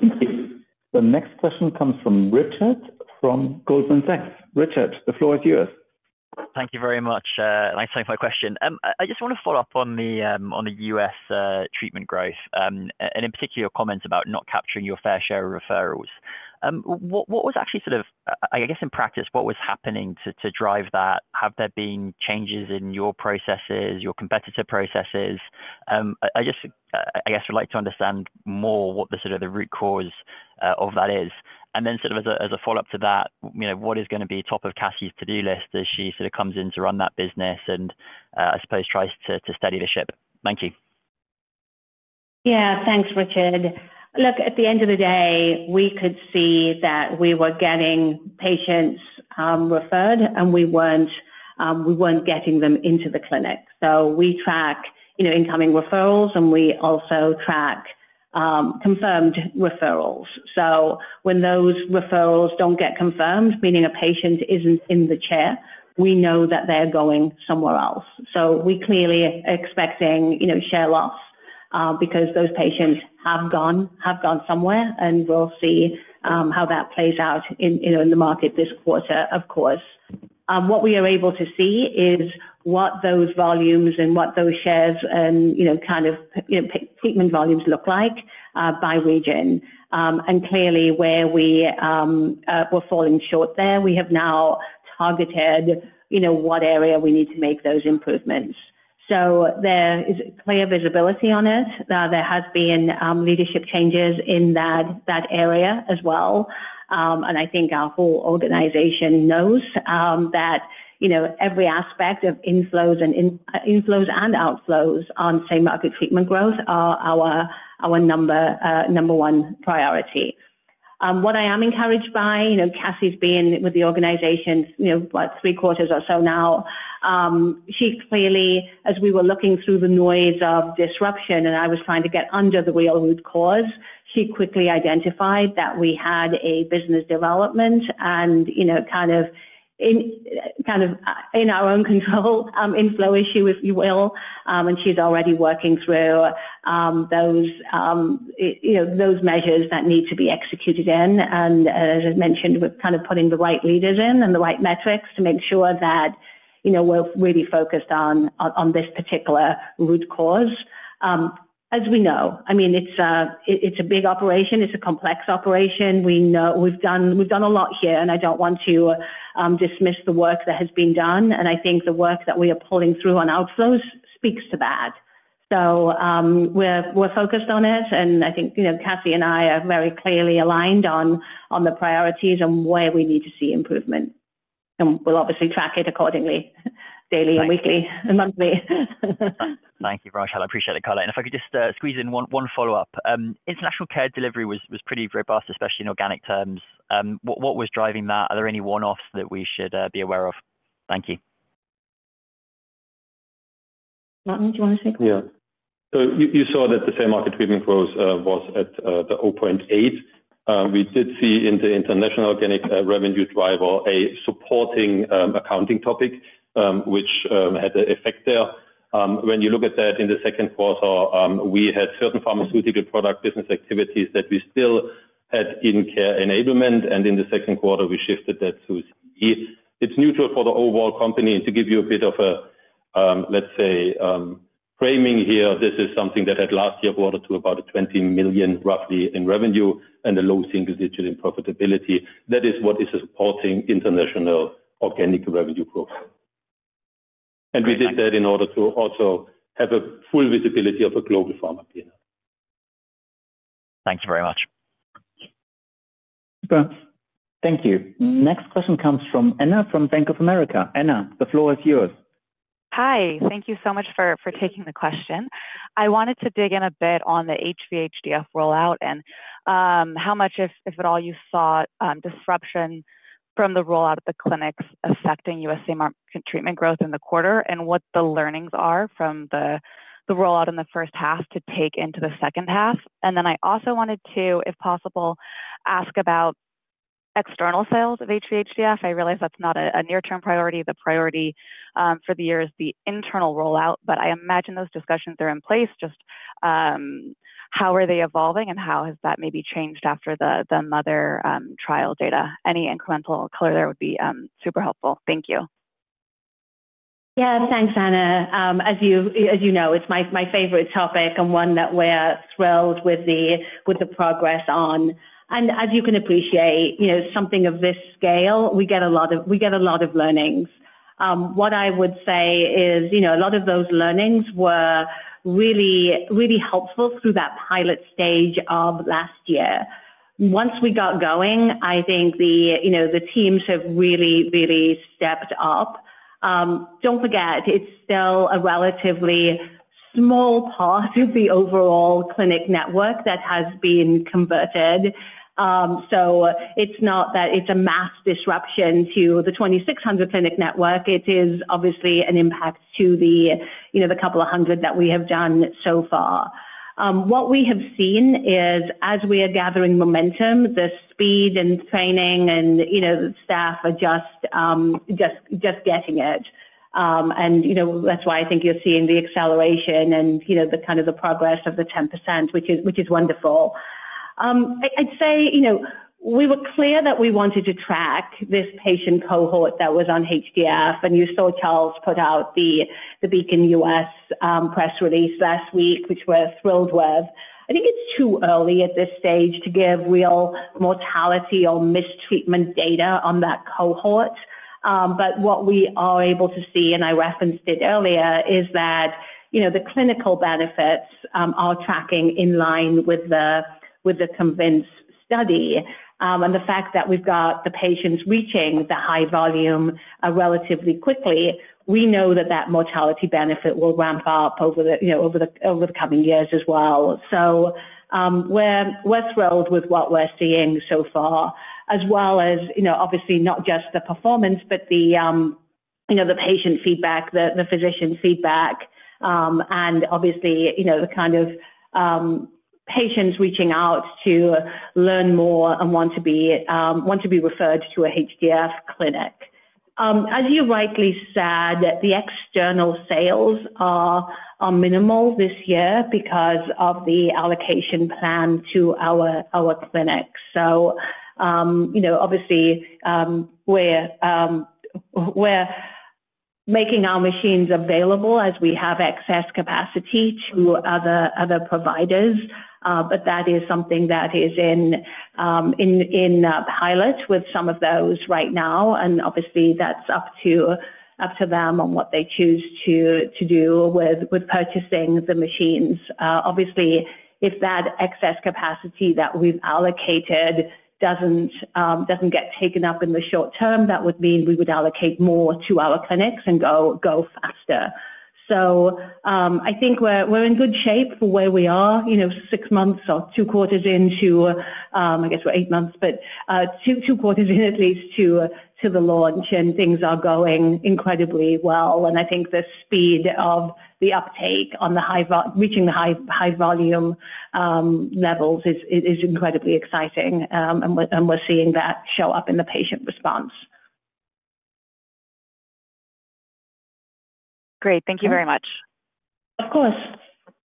B: Thank you. The next question comes from Richard from Goldman Sachs. Richard, the floor is yours.
J: Thank you very much. Thanks for taking my question. I just want to follow up on the U.S. treatment growth, in particular, your comments about not capturing your fair share of referrals. What was actually, I guess in practice, what was happening to drive that? Have there been changes in your processes, your competitor processes? I just would like to understand more what the root cause of that is. Then as a follow-up to that, what is going to be top of Cassie's to-do list as she comes in to run that business and, I suppose, tries to steady the ship? Thank you.
C: Thanks, Richard. Look, at the end of the day, we could see that we were getting patients referred, and we weren't getting them into the clinic. We track incoming referrals, and we also had confirmed referrals. When those referrals don't get confirmed, meaning a patient isn't in the chair, we know that they're going somewhere else. We clearly are expecting share loss, because those patients have gone somewhere, and we'll see how that plays out in the market this quarter, of course. What we are able to see is what those volumes and what those shares and treatment volumes look like by region. Clearly, where we were falling short there, we have now targeted what area we need to make those improvements. There is clear visibility on it. There have been leadership changes in that area as well. I think our whole organization knows that every aspect of inflows and outflows on same-market treatment growth are our number one priority. What I am encouraged by, Cassie's been with the organization three quarters or so now. She clearly, as we were looking through the noise of disruption. She quickly identified that we had a business development and kind of in our own control inflow issue, if you will. She's already working through those measures that need to be executed in. As I've mentioned, we're kind of putting the right leaders in and the right metrics to make sure that we're really focused on this particular root cause. We know it's a big operation. It's a complex operation. We've done a lot here, and I don't want to dismiss the work that has been done. I think the work that we are pulling through on outflows speaks to that. We're focused on it, and I think Cassie and I are very clearly aligned on the priorities and where we need to see improvement. We'll obviously track it accordingly, daily, weekly, and monthly.
J: Thank you, Helen. I appreciate the color. If I could just squeeze in one follow-up. International Care Delivery was pretty robust, especially in organic terms. What was driving that? Are there any one-offs that we should be aware of? Thank you.
C: Martin, do you want to take that?
D: You saw that the same-market treatment growth was at 0.8%. We did see in the international organic revenue driver a supporting accounting topic, which had an effect there. When you look at that in the second quarter, we had certain pharmaceutical product business activities that we still had in Care Enablement, and in the second quarter, we shifted that too. It's neutral for the overall company. To give you a bit of a, let's say, framing here, this is something that had last year quarter to about 20 million, roughly, in revenue and a low single-digit in profitability. That is what is supporting international organic revenue growth. We did that in order to also have full visibility of a global pharma P&L.
J: Thanks very much.
B: Thank you. Next question comes from Anna from Bank of America. Anna, the floor is yours.
K: Hi. Thank you so much for taking the question. I wanted to dig in a bit on the HVHDF rollout and how much, if at all, you saw disruption from the rollout of the clinics affecting U.S.A. market treatment growth in the quarter and what the learnings are from the rollout in the first half to take into the second half. Then I also wanted to, if possible, ask about external sales of HVHDF. I realize that's not a near-term priority. The priority for the year is the internal rollout, but I imagine those discussions are in place. Just how are they evolving, and how has that maybe changed after the [mother trial] data? Any incremental color there would be super helpful. Thank you.
C: Yeah. Thanks, Anna. As you know, it's my favorite topic and one that we're thrilled with the progress on. As you can appreciate, something of this scale, we get a lot of learnings. What I would say is a lot of those learnings were really helpful through that pilot stage of last year. Once we got going, I think the teams have really stepped up. Don't forget, it's still a relatively small part of the overall clinic network that has been converted. It's not that it's a mass disruption to the 2,600 clinic network. It is obviously an impact to the couple of hundred that we have done so far. What we have seen is as we are gathering momentum, the speed and training and staff are just getting it. That's why I think you're seeing the acceleration and the kind of progress of the 10%, which is wonderful. I'd say we were clear that we wanted to track this patient cohort that was on HDF, and you saw Charles put out the BEACON-US press release last week, which we're thrilled with. I think it's too early at this stage to give real mortality or mistreatment data on that cohort. What we are able to see, and I referenced it earlier, is that the clinical benefits are tracking in line with the CONVINCE study. The fact that we've got the patients reaching the high volume relatively quickly, we know that that mortality benefit will ramp up over the coming years as well. We're thrilled with what we're seeing so far, as well as obviously not just the performance, but the patient feedback, the physician feedback, and obviously, the kind of patients reaching out to learn more and want to be referred to HDF clinic. As you rightly said, the external sales are minimal this year because of the allocation plan to our clinics. Obviously, we're making our machines available as we have excess capacity to other providers. That is something that is in pilot with some of those right now, and obviously, that's up to them on what they choose to do with purchasing the machines. Obviously, if that excess capacity that we've allocated doesn't get taken up in the short term, that would mean we would allocate more to our clinics and go faster. I think we're in good shape for where we are; I guess we're eight months, but two quarters in at least to the launch, and things are going incredibly well. I think the speed of the uptake on reaching the high volume levels is incredibly exciting. We're seeing that show up in the patient response.
K: Great. Thank you very much.
C: Of course.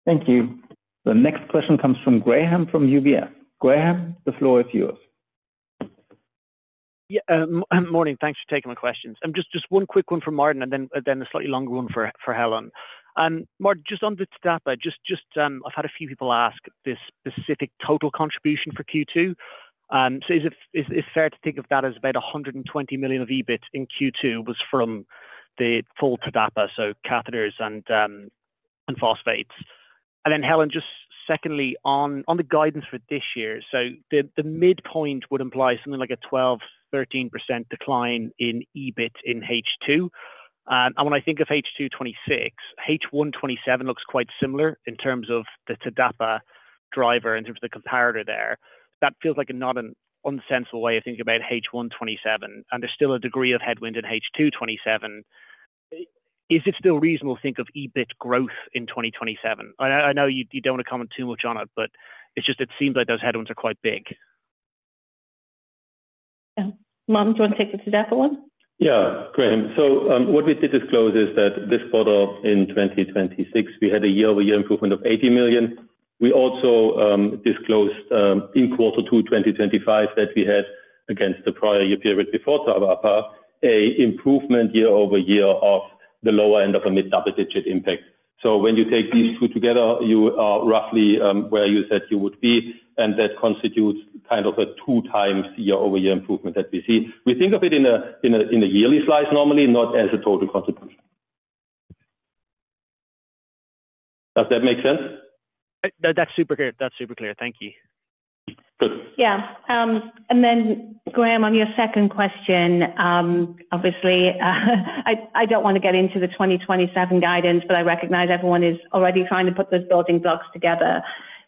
B: Thank you. The next question comes from Graham from UBS. Graham, the floor is yours.
L: Morning. Thanks for taking my questions. Just one quick one for Martin, and then a slightly longer one for Helen. Martin, just on the data, I've had a few people ask this specific total contribution for Q2. Is it fair to think of that as about 120 million of EBIT in Q2 was from the full TDAPA, so catheters and phosphates? Helen, just secondly on the guidance for this year. The midpoint would imply something like a 12%, 13% decline in EBIT in H2. When I think of H2 2026, H1 2027 looks quite similar in terms of the TDAPA driver, in terms of the comparator there. That feels like not an uncensored way of thinking about H1 2027, and there's still a degree of headwind in H2 2027. Is it still reasonable to think of EBIT growth in 2027? I know you don't want to comment too much on it just seems like those headwinds are quite big.
C: Martin, do you want to take the TDAPA one?
D: Graham, what we did disclose is that this quarter in 2026, we had a year-over-year improvement of 80 million. We also disclosed in quarter two 2025 that we had, against the prior year period before TDAPA, an improvement year-over-year of the lower end of a mid-double-digit impact. When you take these two together, you are roughly where you said you would be, and that constitutes kind of a 2x year-over-year improvement that we see. We think of it in a yearly slice normally, not as a total contribution. Does that make sense?
L: That's super clear. Thank you.
D: Good.
C: Graham, on your second question, obviously, I don't want to get into the 2027 guidance, but I recognize everyone is already trying to put those building blocks together.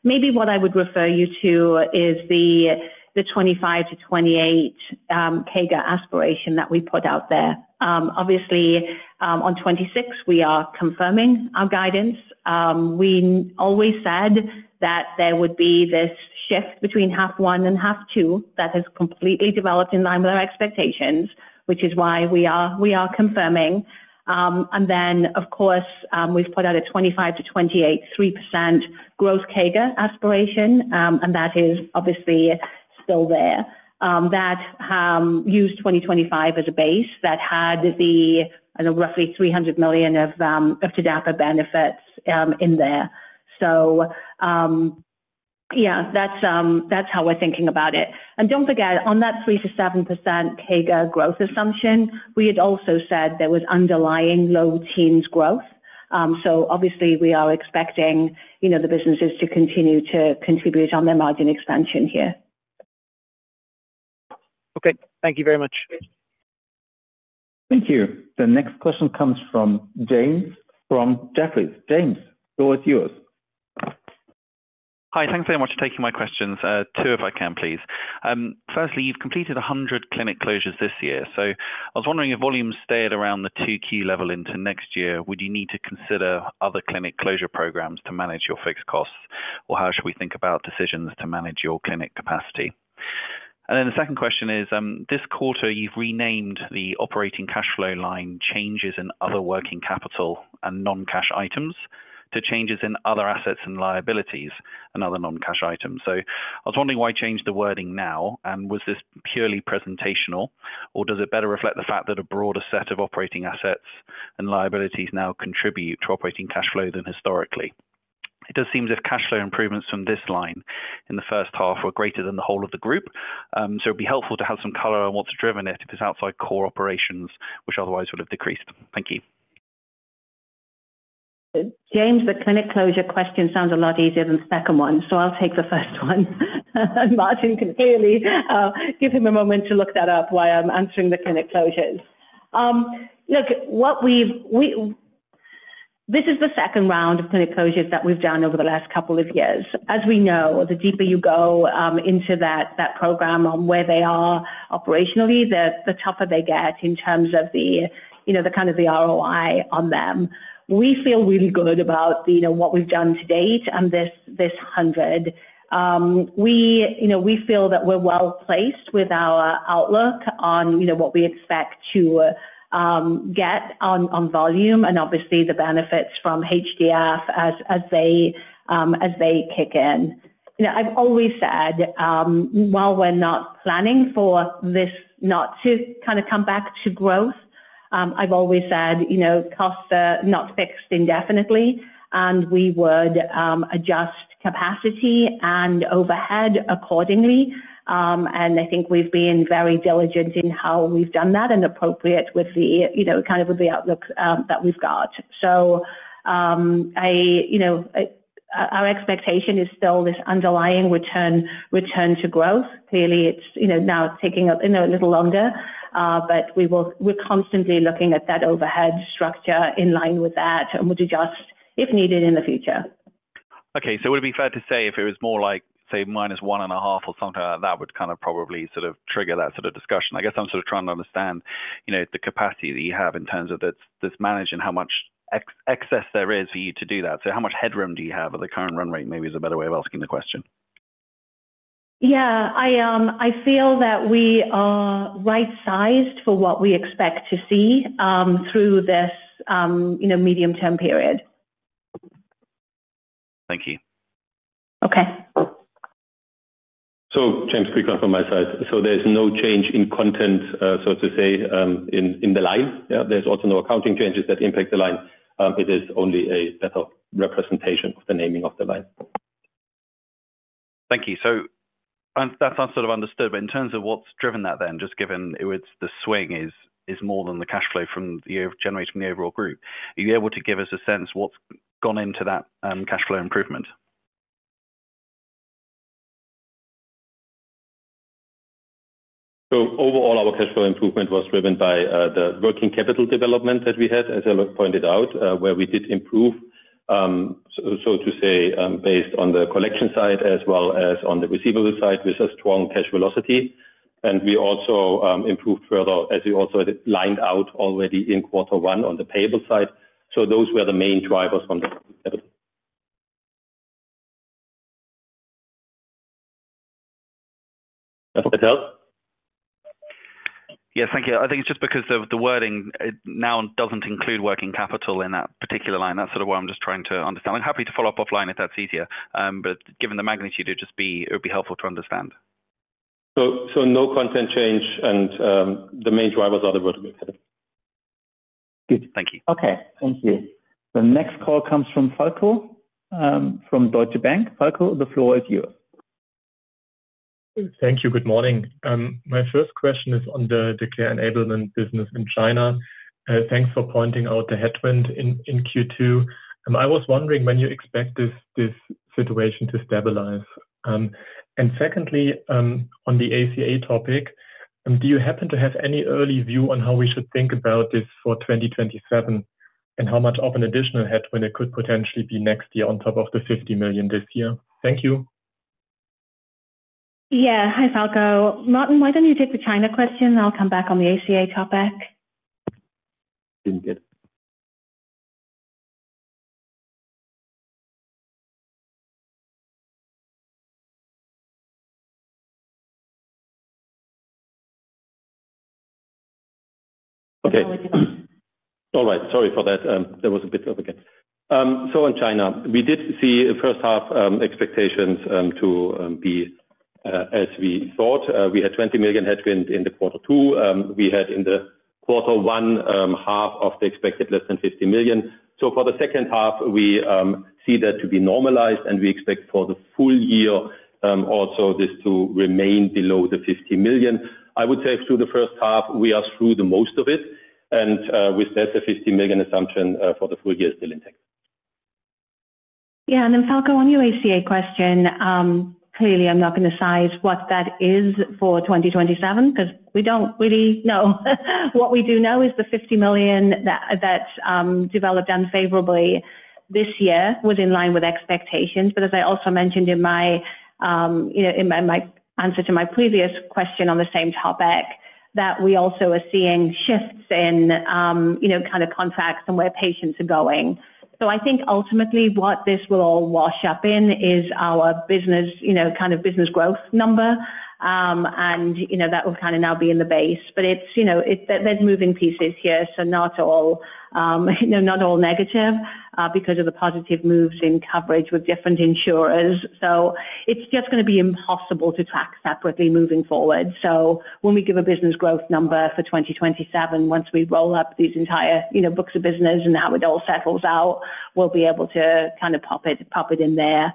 C: Maybe what I would refer you to is the 2025 to 2028 CAGR aspiration that we put out there. Obviously, on 2026 we are confirming our guidance. We always said that there would be this shift between half one and half two that has completely developed in line with our expectations, which is why we are confirming. Of course, we've put out a 2025 to 2028, 3% growth CAGR aspiration. That is obviously still there. That used 2025 as a base that had the roughly 300 million of TDAPA benefits in there. That's how we're thinking about it. Don't forget, on that 3%-7% CAGR growth assumption, we had also said there was underlying low-teens growth. Obviously, we are expecting the businesses to continue to contribute on their margin expansion here.
L: Okay. Thank you very much.
B: Thank you. The next question comes from James from Jefferies. James, the floor is yours.
M: Hi. Thanks very much for taking my questions. Two, if I can please. Firstly, you've completed 100 clinic closures this year. I was wondering if volumes stayed around the two key level into next year, would you need to consider other clinic closure programs to manage your fixed costs? How should we think about decisions to manage your clinic capacity? The second question is, this quarter, you've renamed the operating cash flow line changes in other working capital and non-cash items to changes in other assets and liabilities and other non-cash items. I was wondering why change the wording now, and was this purely presentational, or does it better reflect the fact that a broader set of operating assets and liabilities now contribute to operating cash flow than historically? It does seem as if cash flow improvements from this line in the first half were greater than the whole of the group. It'd be helpful to have some color on what's driven it if it's outside core operations, which otherwise would have decreased. Thank you.
C: James, the clinic closure question sounds a lot easier than the second one. I'll take the first one. Martin can clearly give him a moment to look that up while I'm answering the clinic closures. This is the second round of clinic closures that we've done over the last couple of years. As we know, the deeper you go into that program on where they are operationally, the tougher they get in terms of the ROI on them. We feel really good about what we've done to date and this 100. We feel that we're well-placed with our outlook on what we expect to get on volume and obviously the benefits from HDF as they kick in. I've always said, while we're not planning for this not to kind of come back to growth, I've always said costs are not fixed indefinitely, and we would adjust capacity and overhead accordingly. I think we've been very diligent in how we've done that and appropriate with the outlook that we've got. Our expectation is still this underlying return to growth. Clearly, it's now taking a little longer, we're constantly looking at that overhead structure in line with that, and we'll adjust if needed in the future.
M: Okay. Would it be fair to say if it was more like, say, -1.5 or something like that, would it kind of probably trigger that sort of discussion? I guess I'm sort of trying to understand the capacity that you have in terms of this manage and how much excess there is for you to do that. How much headroom do you have at the current run rate, maybe is a better way of asking the question.
C: I feel that we are right-sized for what we expect to see through this medium-term period.
M: Thank you.
C: Okay.
D: James, quick one from my side. There's no change in content, so to say, in the line. There's also no accounting changes that impact the line. It is only a better representation of the naming of the line.
M: Thank you. That's understood. In terms of what's driven that then, just given the swing is more than the cash flow from the year generated from the overall group, are you able to give us a sense of what's gone into that cash flow improvement?
D: Overall, our cash flow improvement was driven by the working capital development that we had, as Helen pointed out, where we did improve, so to say, based on the collection side as well as on the receivable side with a strong cash velocity. We also improved further, as we also lined out already in quarter one on the payable side. Those were the main drivers from the working capital.
B: That's it, Helen?
M: Yeah. Thank you. I think it's just because of the wording. It now doesn't include working capital in that particular line. That's why I'm just trying to understand. I'm happy to follow up offline if that's easier. Given the magnitude, it would be helpful to understand.
D: No content change, and the main drivers are the working capital.
M: Good. Thank you.
B: Okay. Thank you. The next call comes from Falko from Deutsche Bank. Falko, the floor is yours.
N: Thank you. Good morning. My first question is on the Care Enablement business in China. Thanks for pointing out the headwind in Q2. I was wondering when you expect this situation to stabilize. Secondly, on the ACA topic, do you happen to have any early view on how we should think about this for 2027, and how much of an additional headwind it could potentially be next year on top of the 50 million this year? Thank you.
C: Yeah. Hi, Falko. Martin, why don't you take the China question? I'll come back on the ACA topic.
D: Didn't get it. Okay.
C: How are we doing?
D: All right. Sorry for that. There was a bit of a gap. In China, we did see first-half expectations to be as we thought. We had 20 million headwind in the quarter two. We had in the quarter one, half of the expected less than 50 million. For the second half, we see that to be normalized, and we expect for the full year also this to remain below the 50 million. I would say through the first half, we are through most of it, and with that, the 50 million assumption for the full year is still intact.
C: Yeah. Falko, on your ACA question, clearly, I'm not going to size what that is for 2027 because we don't really know. What we do know is the 50 million that developed unfavorably this year was in line with expectations. As I also mentioned in my answer to my previous question on the same topic, we are also seeing shifts in contracts and where patients are going. I think ultimately what this will all wash up in is our business growth number. That will now be in the base. There's moving pieces here, so not all negative because of the positive moves in coverage with different insurers. It's just going to be impossible to track separately moving forward. When we give a business growth number for 2027, once we roll up these entire books of business and how it all settles out, we'll be able to pop it in there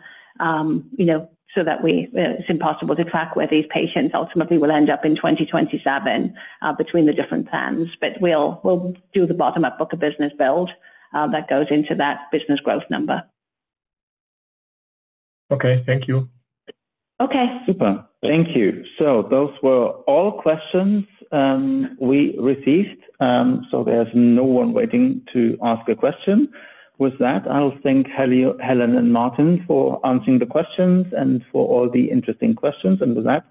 C: so that It's impossible to track where these patients ultimately will end up in 2027 between the different plans. We'll do the bottom-up book of business build that goes into that business growth number.
N: Okay. Thank you.
C: Okay.
B: Super. Thank you. Those were all questions we received. There's no one waiting to ask a question. With that, I'll thank Helen and Martin for answering the questions and for all the interesting questions. With that,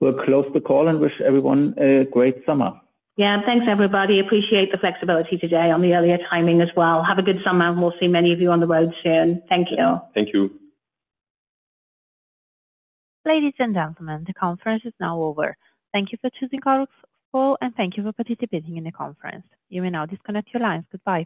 B: we'll close the call and wish everyone a great summer.
C: Thanks, everybody. Appreciate the flexibility today on the earlier timing as well. Have a good summer, and we'll see many of you on the road soon. Thank you.
D: Thank you.
A: Ladies and gentlemen, the conference is now over. Thank you for choosing Chorus Call and thank you for participating in the conference. You may now disconnect your lines. Goodbye.